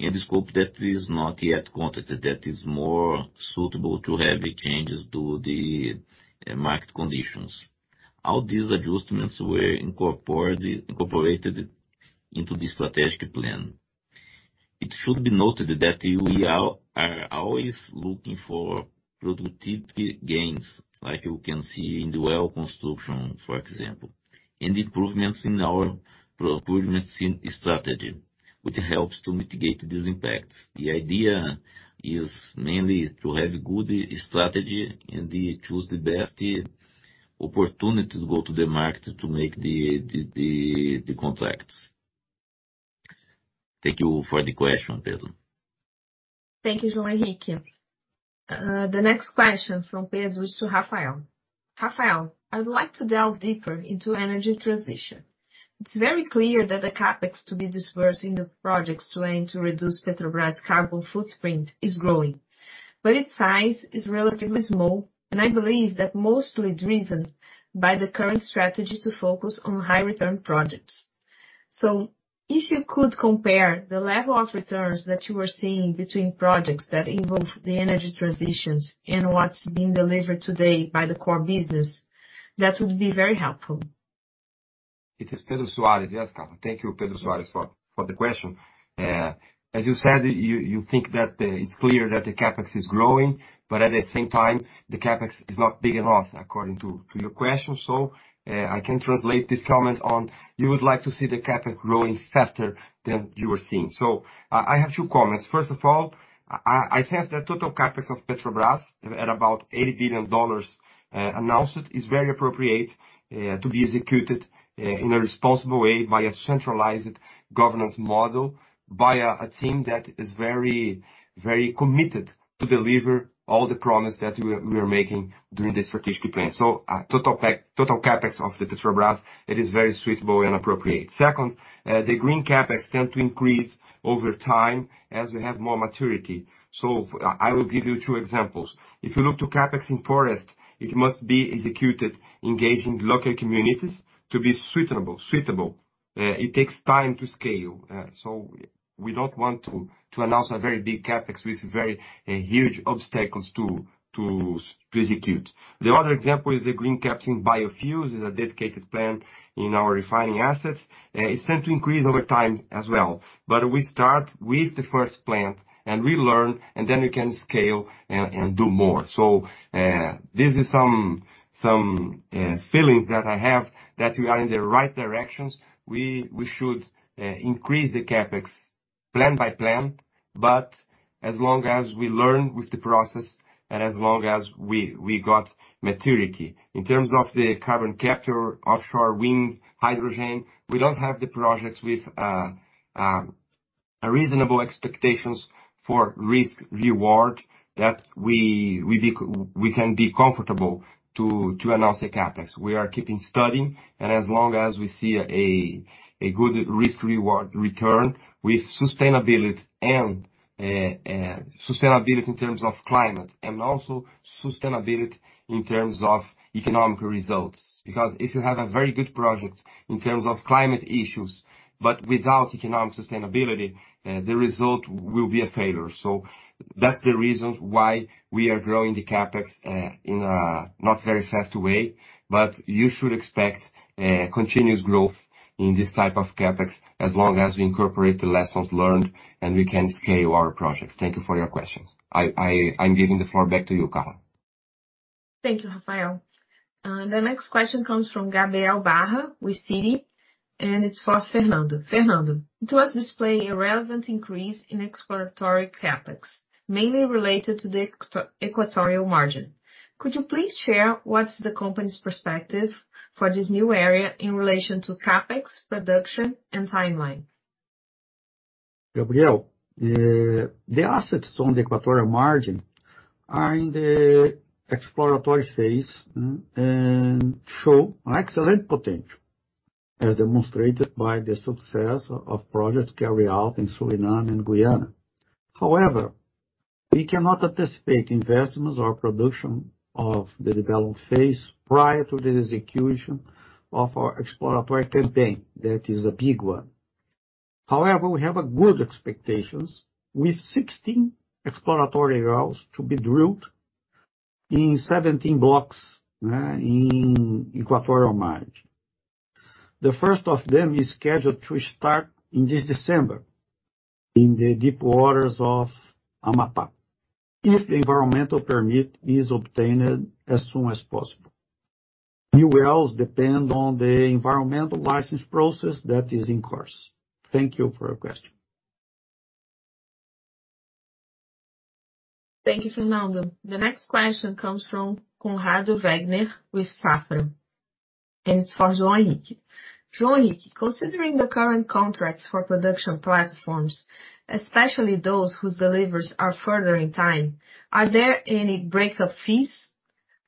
that is not yet contracted, that is more suitable to have changes to the market conditions. All these adjustments were incorporated into the strategic plan. It should be noted that we are always looking for productivity gains, like you can see in the well construction, for example. Improvements in our procurement strategy, which helps to mitigate these impacts. The idea is mainly to have good strategy and choose the best opportunities to go to the market to make the contracts. Thank you for the question, Pedro. Thank you, João Henrique. The next question from Pedro is to Rafael. Rafael, I'd like to delve deeper into energy transition. It's very clear that the CapEx to be disbursed in the projects to aim to reduce Petrobras carbon footprint is growing. Its size is relatively small, and I believe that mostly driven by the current strategy to focus on high return projects. If you could compare the level of returns that you are seeing between projects that involve the energy transitions and what's being delivered today by the core business, that would be very helpful. It is Pedro Soares. Yes, Carla. Thank you, Pedro Soares for the question. As you said, you think that it's clear that the CapEx is growing, but at the same time, the CapEx is not big enough, according to your question. I can translate this comment on you would like to see the CapEx growing faster than you are seeing. I have two comments. First of all, I think the total CapEx of Petrobras at about $80 billion announced is very appropriate to be executed in a responsible way by a centralized governance model, by a team that is very committed to deliver all the promise that we are making during the strategic plan. Total CapEx of the Petrobras, it is very suitable and appropriate. Second, the green CapEx tend to increase over time as we have more maturity. I will give you two examples. If you look to CapEx in forest, it must be executed engaging local communities to be suitable. It takes time to scale. We don't want to announce a very big CapEx with very huge obstacles to execute. The other example is the green CapEx in biofuels, is a dedicated plan in our refining assets. It's tend to increase over time as well. We start with the first plant, and we learn, and then we can scale and do more. This is some feelings that I have that we are in the right directions. We should increase the CapEx plan by plan. As long as we learn with the process and as long as we got maturity. In terms of the carbon capture, offshore wind, hydrogen, we don't have the projects with a reasonable expectations for risk reward that we can be comfortable to announce the CapEx. We are keeping studying, and as long as we see a good risk reward return with sustainability and sustainability in terms of climate and also sustainability in terms of economical results. If you have a very good project in terms of climate issues, but without economic sustainability, the result will be a failure. That's the reason why we are growing the CapEx, in a not very fast way, but you should expect, continuous growth in this type of CapEx as long as we incorporate the lessons learned, and we can scale our projects. Thank you for your question. I'm giving the floor back to you, Carla. Thank you, Rafael. The next question comes from Gabriel Barra with Citi, it's for Fernando. Fernando, it was displayed a relevant increase in exploratory CapEx, mainly related to the equatorial margin. Could you please share what's the company's perspective for this new area in relation to CapEx, production, and timeline? Gabriel, the assets on the equatorial margin are in the exploratory phase, and show excellent potential, as demonstrated by the success of projects carried out in Suriname and Guyana. We cannot anticipate investments or production of the development phase prior to the execution of our exploratory campaign. That is a big one. We have a good expectations with 16 exploratory wells to be drilled in 17 blocks in equatorial margin. The first of them is scheduled to start in this December in the deep waters of Amapá, if the environmental permit is obtained as soon as possible. New wells depend on the environmental license process that is in course. Thank you for your question. Thank you, Fernando. The next question comes from Conrado Wagner with Safra, and it's for João Henrique. João Henrique, considering the current contracts for production platforms, especially those whose deliveries are further in time, are there any breakup fees?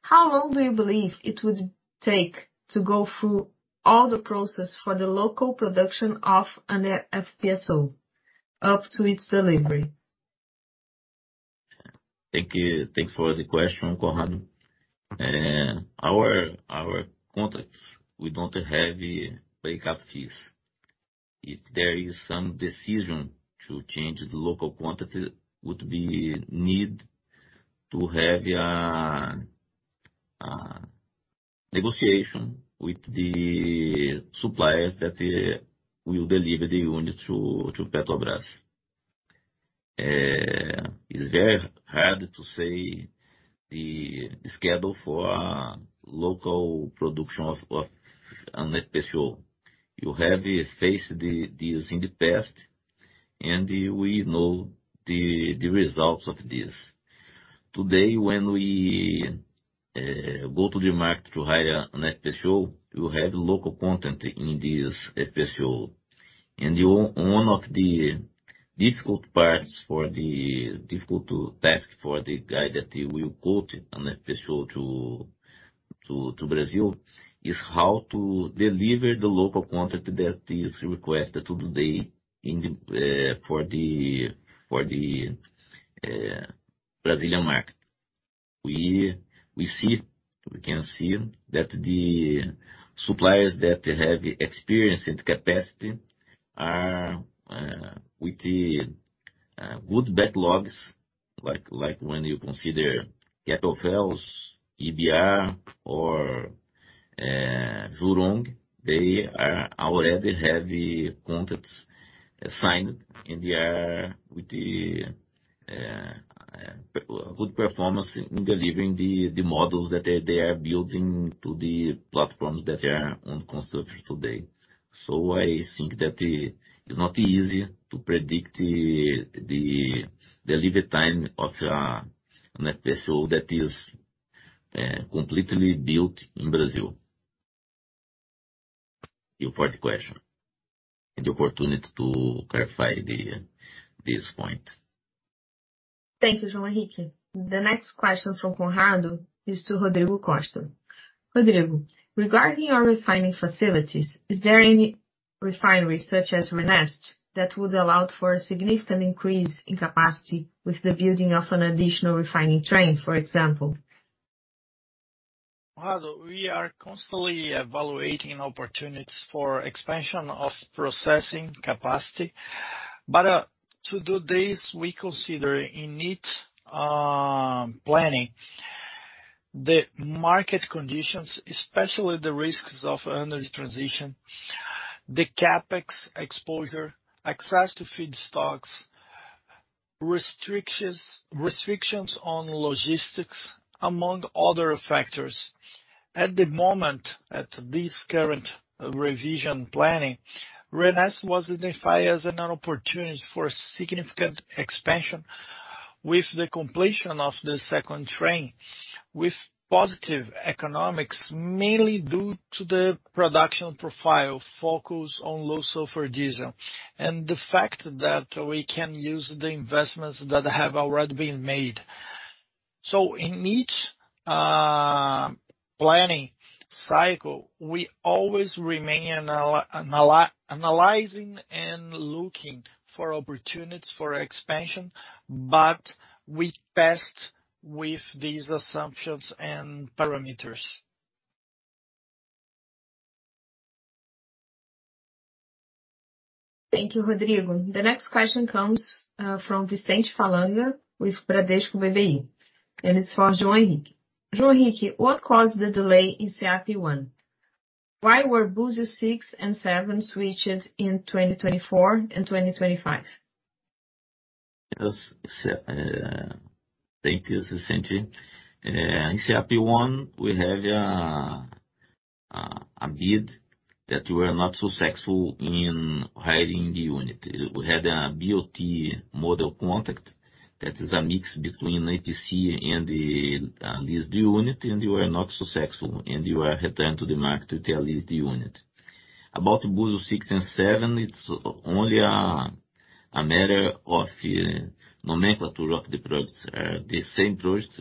How long do you believe it would take to go through all the process for the local production of an FPSO up to its delivery? Thank you. Thanks for the question, Conrado. Our contracts, we don't have breakup fees. If there is some decision to change the local contract, it would be need to have Negotiation with the suppliers that will deliver the units to Petrobras. It's very hard to say the schedule for local production of an FPSO. You have faced this in the past, and we know the results of this. Today, when we go to the market to hire an FPSO, you have local content in this FPSO. One of the difficult parts for the difficult task for the guy that will quote an FPSO to Brazil, is how to deliver the local content that is requested today in the for the Brazilian market. We can see that the suppliers that have experience and capacity are with the good backlogs, like when you consider Keppel FELS, EBR, or Zhuhai, they are already have contracts signed, and they are with the good performance in delivering the models that they are building to the platforms that are under construction today. I think that it's not easy to predict the delivery time of an FPSO that is completely built in Brazil. Thank you for the question and the opportunity to clarify this point. Thank you, João Henrique. The next question from Conrado is to Rodrigo Costa. Rodrigo, regarding our refining facilities, is there any refinery such as RNEST that would allow for a significant increase in capacity with the building of an additional refining train, for example? Conrado, we are constantly evaluating opportunities for expansion of processing capacity. To do this, we consider in it planning the market conditions, especially the risks of energy transition, the CapEx exposure, access to feedstocks, restrictions on logistics, among other factors. At the moment, at this current revision planning, RNEST was identified as an opportunity for significant expansion with the completion of the second train, with positive economics, mainly due to the production profile focused on low sulfur diesel, and the fact that we can use the investments that have already been made. In each planning cycle, we always remain analyzing and looking for opportunities for expansion, but we test with these assumptions and parameters. Thank you, Rodrigo. The next question comes from Vicente Falanga with Bradesco BBI, and it's for João Henrique. João Henrique, what caused the delay in SEAP I? Why were Búzios 6 and 7 switched in 2024 and 2025? Yes. Thank you, Vicente. In SEAP I, we have a bid that we're not successful in hiring the unit. We had a BOT model contract that is a mix between APC and lease the unit, and we're not successful. We are returned to the market to lease the unit. About Búzios 6 and 7, it's only a matter of nomenclature of the projects. The same projects.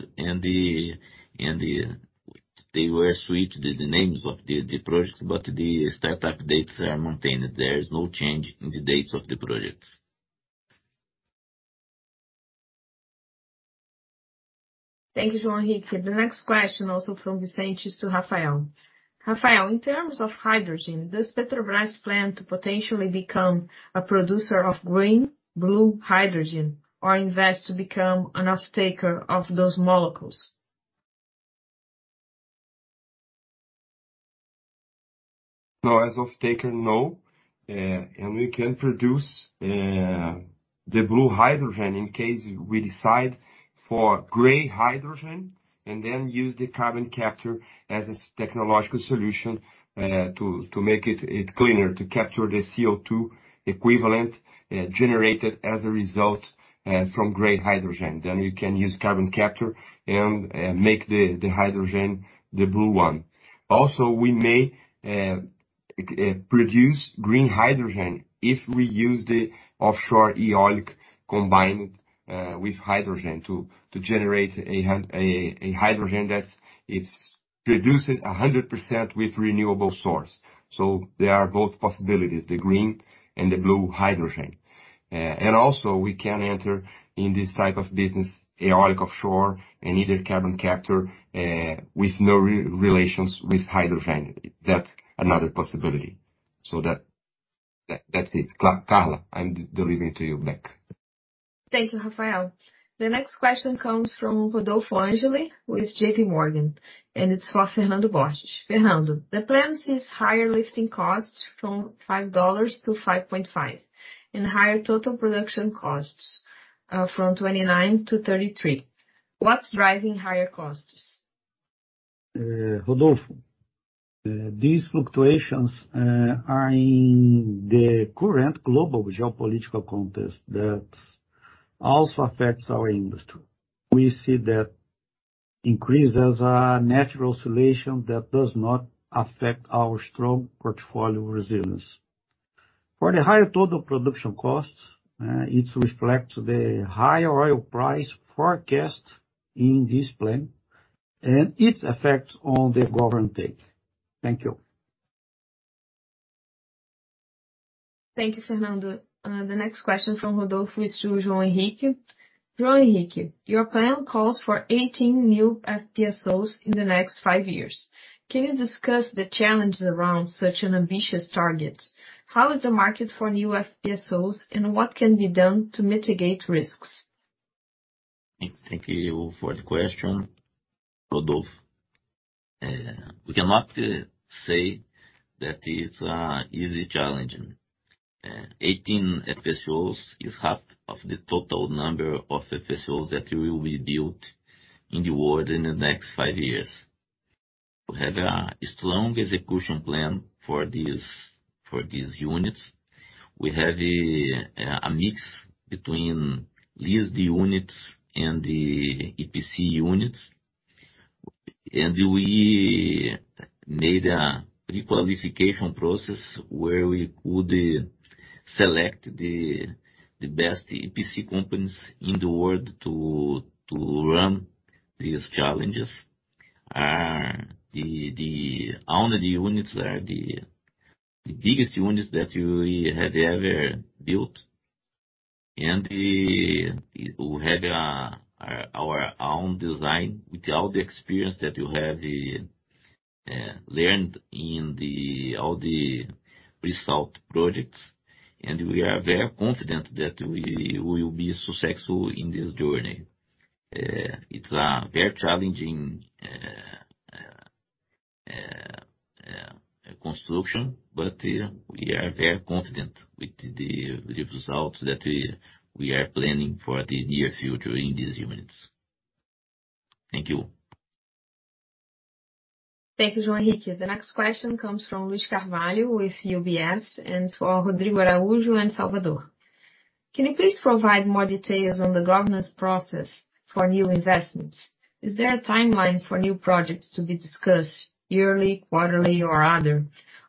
They were switched, the names of the projects. The startup dates are maintained. There is no change in the dates of the projects. Thank you, João Henrique. The next question, also from Vicente, is to Rafael. Rafael, in terms of hydrogen, does Petrobras plan to potentially become a producer of green/blue hydrogen or invest to become an offtaker of those molecules? No. As offtaker, no. We can produce the blue hydrogen in case we decide for gray hydrogen and then use the carbon capture as a technological solution to make it cleaner, to capture the CO2 equivalent generated as a result from gray hydrogen. You can use carbon capture and make the hydrogen the blue one. We may produce green hydrogen if we use the offshore eolic combined with hydrogen to generate a hydrogen that is produced 100% with renewable source. There are both possibilities, the green and the blue hydrogen. Also we can enter in this type of business, eolic offshore, and either carbon capture with no relations with hydrogen. That's another possibility. That's it. Carla, I'm delivering to you back. Thank you, Rafael. The next question comes from Rodolfo Angeli with J.P. Morgan, and it's for Fernando Borges. Fernando, the plan sees higher lifting costs from $5-$5.5 and higher total production costs, from $29-$33. What's driving higher costs? Rodolfo, these fluctuations are in the current global geopolitical context that also affects our industry. We see that increase as a natural oscillation that does not affect our strong portfolio resilience. For the higher total production costs, it reflects the higher oil price forecast in this plan and its effect on the government take. Thank you. Thank you, Fernando. The next question from Rodolfo is to João Henrique. João Henrique, your plan calls for 18 new FPSOs in the next five years. Can you discuss the challenges around such an ambitious target? How is the market for new FPSOs, and what can be done to mitigate risks? Thank you for the question. Rodolfo, we cannot say that it's a easy challenge. 18 FPSOs is half of the total number of FPSOs that will be built in the world in the next five years. We have a strong execution plan for these units. We have a mix between leased units and the EPC units. We made a pre-qualification process where we could select the best EPC companies in the world to run these challenges. The owned units are the biggest units that we have ever built. We will have our own design with all the experience that you have learned in all the pre-salt projects. We are very confident that we will be successful in this journey. It's a very challenging construction, but we are very confident with the results that we are planning for the near future in these units. Thank you. Thank you, João Henrique. The next question comes from Luiz Carvalho with UBS and for Rodrigo Araujo and Salvador. Can you please provide more details on the governance process for new investments? Is there a timeline for new projects to be discussed yearly, quarterly, or other?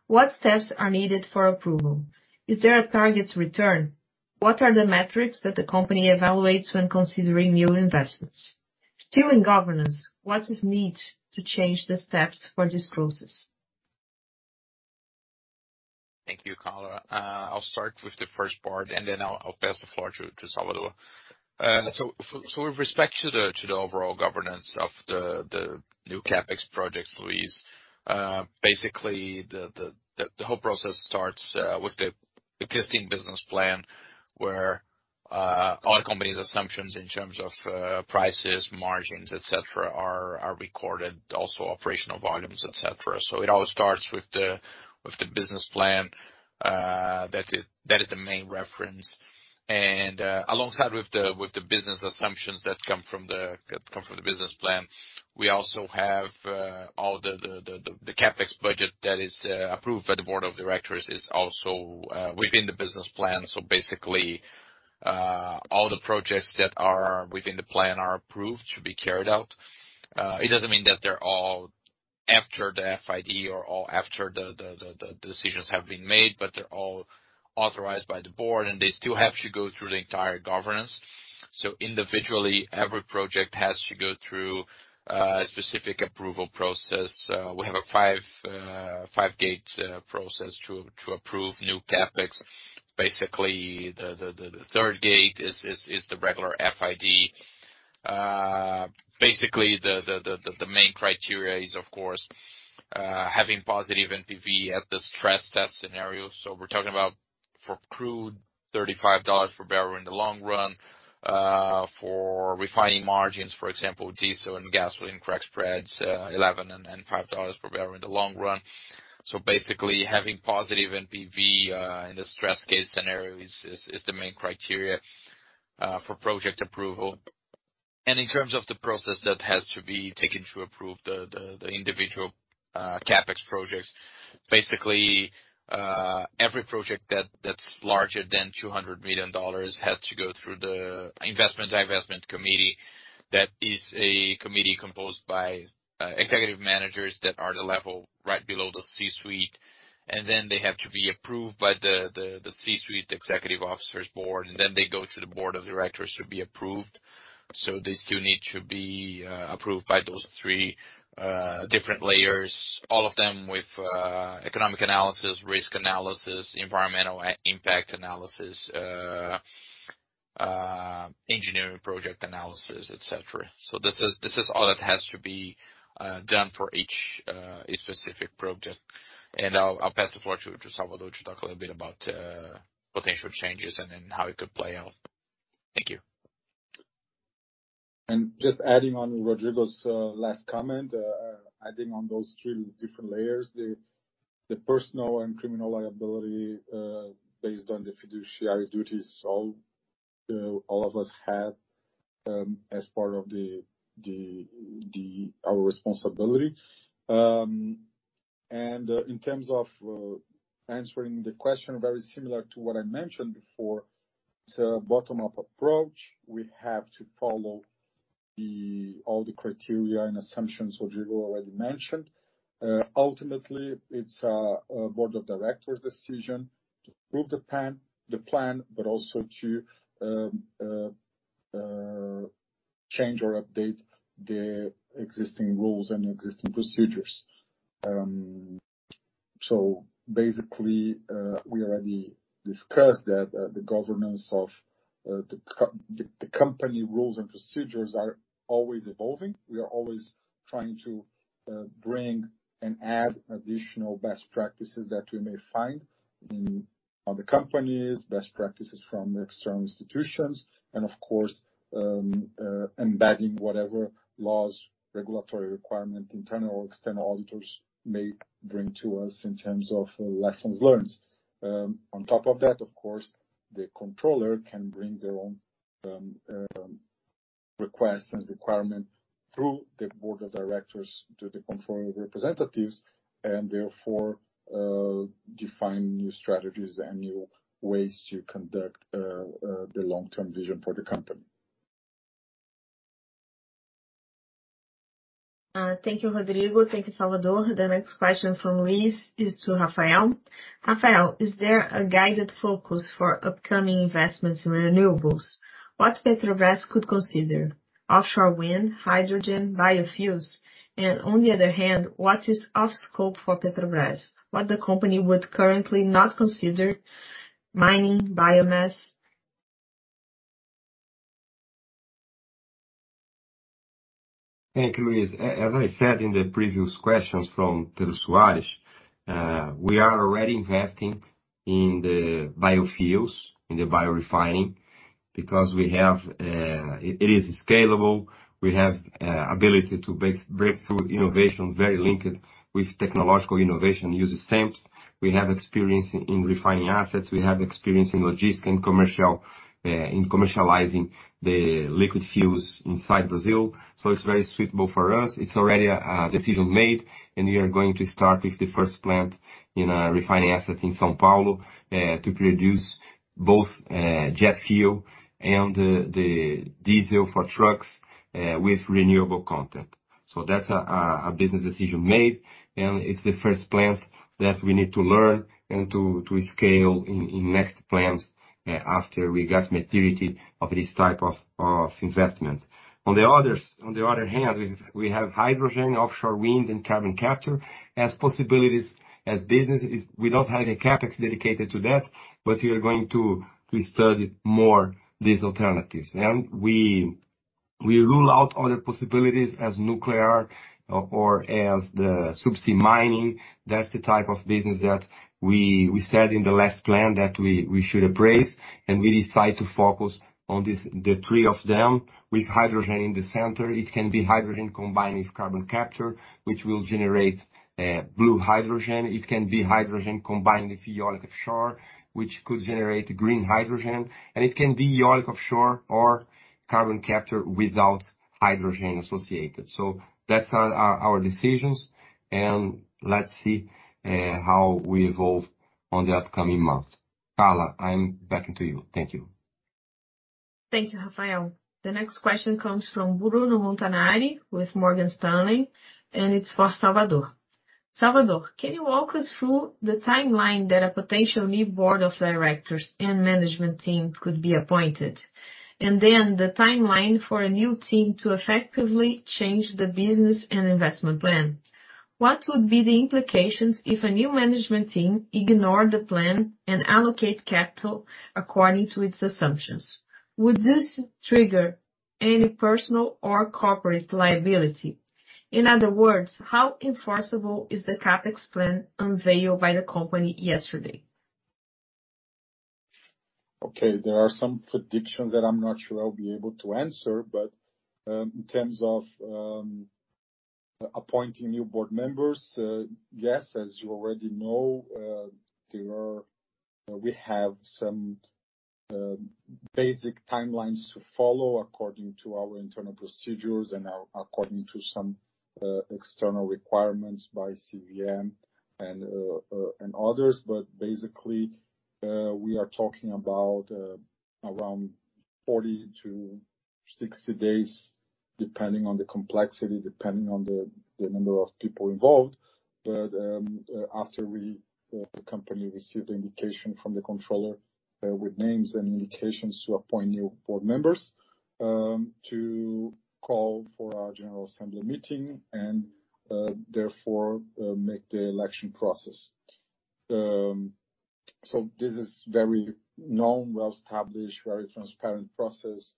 What steps are needed for approval? Is there a target return? What are the metrics that the company evaluates when considering new investments? Still in governance, what is needed to change the steps for this process? Thank you, Carla. I'll start with the first part, and then I'll pass the floor to Salvador. With respect to the overall governance of the new CapEx projects, Luiz, basically the whole process starts with the existing business plan, where all the company's assumptions in terms of prices, margins, et cetera, are recorded, also operational volumes, et cetera. It all starts with the business plan. That is the main reference. Alongside with the business assumptions that come from the business plan, we also have all the CapEx budget that is approved by the board of directors is also within the business plan. Basically, all the projects that are within the plan are approved to be carried out. It doesn't mean that they're all after the FID or all after the decisions have been made, but they're all authorized by the board, and they still have to go through the entire governance. Individually, every project has to go through a specific approval process. We have a five-gate process to approve new CapEx. Basically, the third gate is the regular FID. Basically, the main criteria is of course, having positive NPV at the stress test scenario. We're talking about for crude, $35 per barrel in the long run. For refining margins, for example, diesel and gasoline crack spreads, $11 and $5 per barrel in the long run. Basically, having positive NPV in the stress case scenario is the main criteria for project approval. In terms of the process that has to be taken to approve the individual CapEx projects, basically, every project that's larger than $200 million has to go through the investment committee. That is a committee composed by executive managers that are the level right below the C-suite. They have to be approved by the C-suite executive officers board, and then they go to the board of directors to be approved. They still need to be approved by those three different layers, all of them with economic analysis, risk analysis, environmental impact analysis, engineering project analysis, et cetera. This is all that has to be done for each specific project. I'll pass the floor to Salvador to talk a little bit about potential changes and then how it could play out. Thank you. Just adding on Rodrigo's last comment, adding on those three different layers, the personal and criminal liability, based on the fiduciary duties all of us have, as part of our responsibility. In terms of answering the question very similar to what I mentioned before, it's a bottom-up approach. We have to follow all the criteria and assumptions Rodrigo already mentioned. Ultimately, it's a board of directors decision to approve the plan, but also to change or update the existing rules and existing procedures. Basically, we already discussed that the governance of the company rules and procedures are always evolving. We are always trying to bring and add additional best practices that we may find in other companies, best practices from external institutions, and of course, embedding whatever laws, regulatory requirement, internal or external auditors may bring to us in terms of lessons learned. On top of that, of course, the controller can bring their own requests and requirement through the board of directors to the controller representatives, and therefore, define new strategies and new ways to conduct the long-term vision for the company. Thank you, Rodrigo. Thank you, Salvador. The next question from Luiz is to Rafael. Rafael, is there a guided focus for upcoming investments in renewables? What Petrobras could consider: offshore wind, hydrogen, biofuels. On the other hand, what is off-scope for Petrobras? What the company would currently not consider: mining, biomass. Thank you, Luiz. As I said in the previous questions from Pedro Soares, we are already investing in the biofuels, in the biorefining, because we have, it is scalable. We have ability to break through innovation, very linked with technological innovation use stamps. We have experience in refining assets, we have experience in logistics and commercial in commercializing the liquid fuels inside Brazil. It's very suitable for us. It's already a decision made, and we are going to start with the first plant in a refining asset in São Paulo to produce both jet fuel and the diesel for trucks with renewable content. That's a business decision made, and it's the first plant that we need to learn and to scale in next plants after we get maturity of this type of investment. On the other hand, we have hydrogen, offshore wind and carbon capture as possibilities as businesses. We don't have a CapEx dedicated to that, but we are going to study more these alternatives. We rule out other possibilities as nuclear or as the subsea mining. That's the type of business that we said in the last plan that we should appraise, and we decide to focus on the three of them, with hydrogen in the center. It can be hydrogen combined with carbon capture, which will generate blue hydrogen. It can be hydrogen combined with eolic offshore, which could generate green hydrogen. It can be eolic offshore or carbon capture without hydrogen associated. That's our decisions, and let's see how we evolve on the upcoming months. Carla, I'm back to you. Thank you. Thank you, Rafael. The next question comes from Bruno Montanari with Morgan Stanley. It's for Salvador. Salvador, can you walk us through the timeline that a potential new board of directors and management team could be appointed, and then the timeline for a new team to effectively change the business and investment plan? What would be the implications if a new management team ignored the plan and allocate capital according to its assumptions? Would this trigger any personal or corporate liability? In other words, how enforceable is the CapEx plan unveiled by the company yesterday? Okay, there are some predictions that I'm not sure I'll be able to answer. In terms of appointing new board members, yes, as you already know, we have some basic timelines to follow according to our internal procedures and according to some external requirements by CVM and others. Basically, we are talking about around 40-60 days, depending on the complexity, depending on the number of people involved. After we, the company receive the indication from the controller, with names and indications to appoint new board members, to call for our general assembly meeting and therefore make the election process. So this is very known, well-established, very transparent process.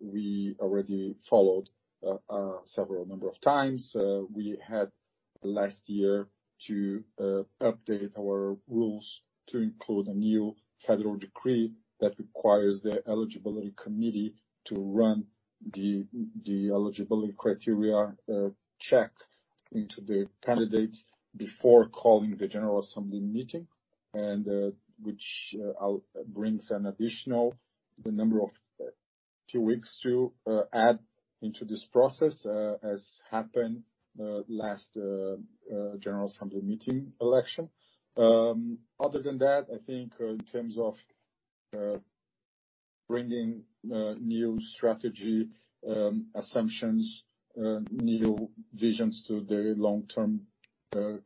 We already followed several number of times. We had last year to update our rules to include a new federal decree that requires the eligibility committee to run the eligibility criteria check into the candidates before calling the general assembly meeting, which brings an additional two weeks to add into this process, as happened last general assembly meeting election. Other than that, I think in terms of bringing new strategy assumptions, new visions to the long-term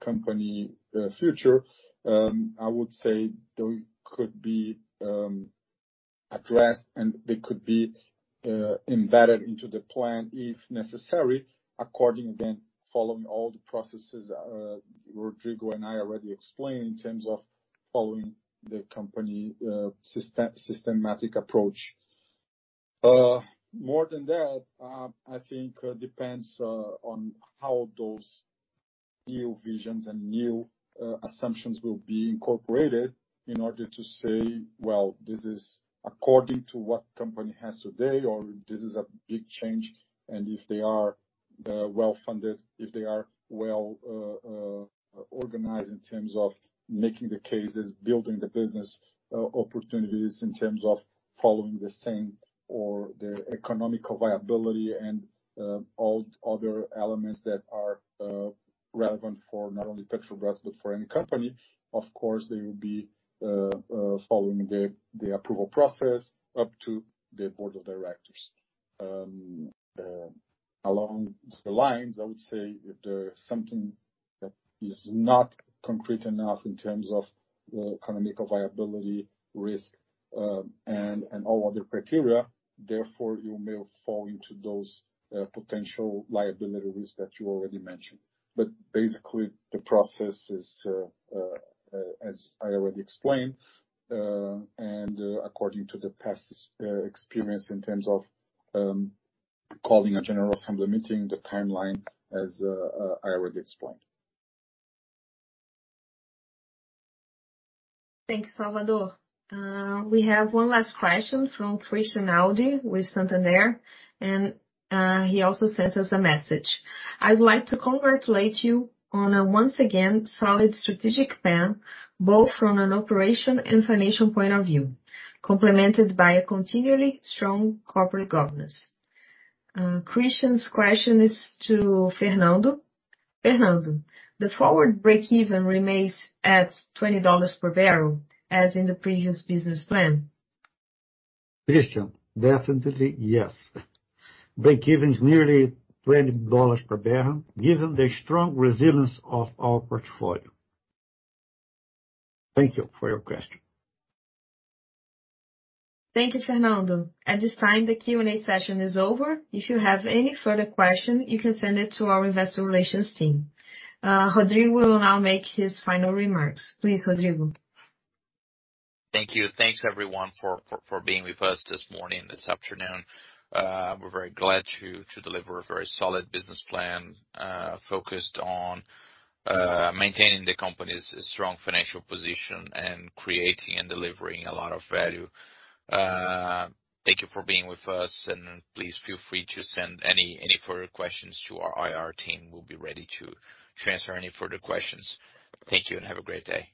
company future, I would say they could be addressed, and they could be embedded into the plan if necessary, according then following all the processes Rodrigo and I already explained in terms of following the company systematic approach. More than that, I think depends on how those new visions and new assumptions will be incorporated in order to say, well, this is according to what company has today, or this is a big change. If they are well-funded, if they are well organized in terms of making the cases, building the business opportunities in terms of following the same or the economical viability and all other elements that are relevant for not only Petrobras but for any company, of course, they will be following the approval process up to the board of directors. Along the lines, I would say if there's something that is not concrete enough in terms of the economical viability risk, and all other criteria, therefore you may fall into those potential liability risks that you already mentioned. Basically, the process is as I already explained, and according to the past experience in terms of calling a general assembly meeting, the timeline as I already explained. Thanks, Salvador. We have one last question from Christian Audi with Santander. He also sends us a message: I would like to congratulate you on a once again solid strategic plan, both from an operation and financial point of view, complemented by a continually strong corporate governance. Christian's question is to Fernando. Fernando, the forward breakeven remains at $20 per barrel, as in the previous business plan. Christian, definitely yes. Breakeven is nearly $20 per barrel, given the strong resilience of our portfolio. Thank you for your question. Thank you, Fernando. At this time, the Q&A session is over. If you have any further question, you can send it to our investor relations team. Rodrigo will now make his final remarks. Please, Rodrigo. Thank you. Thanks everyone for being with us this morning, this afternoon. We're very glad to deliver a very solid business plan, focused on maintaining the company's strong financial position and creating and delivering a lot of value. Thank you for being with us, and please feel free to send any further questions to our IR team, we'll be ready to transfer any further questions. Thank you and have a great day.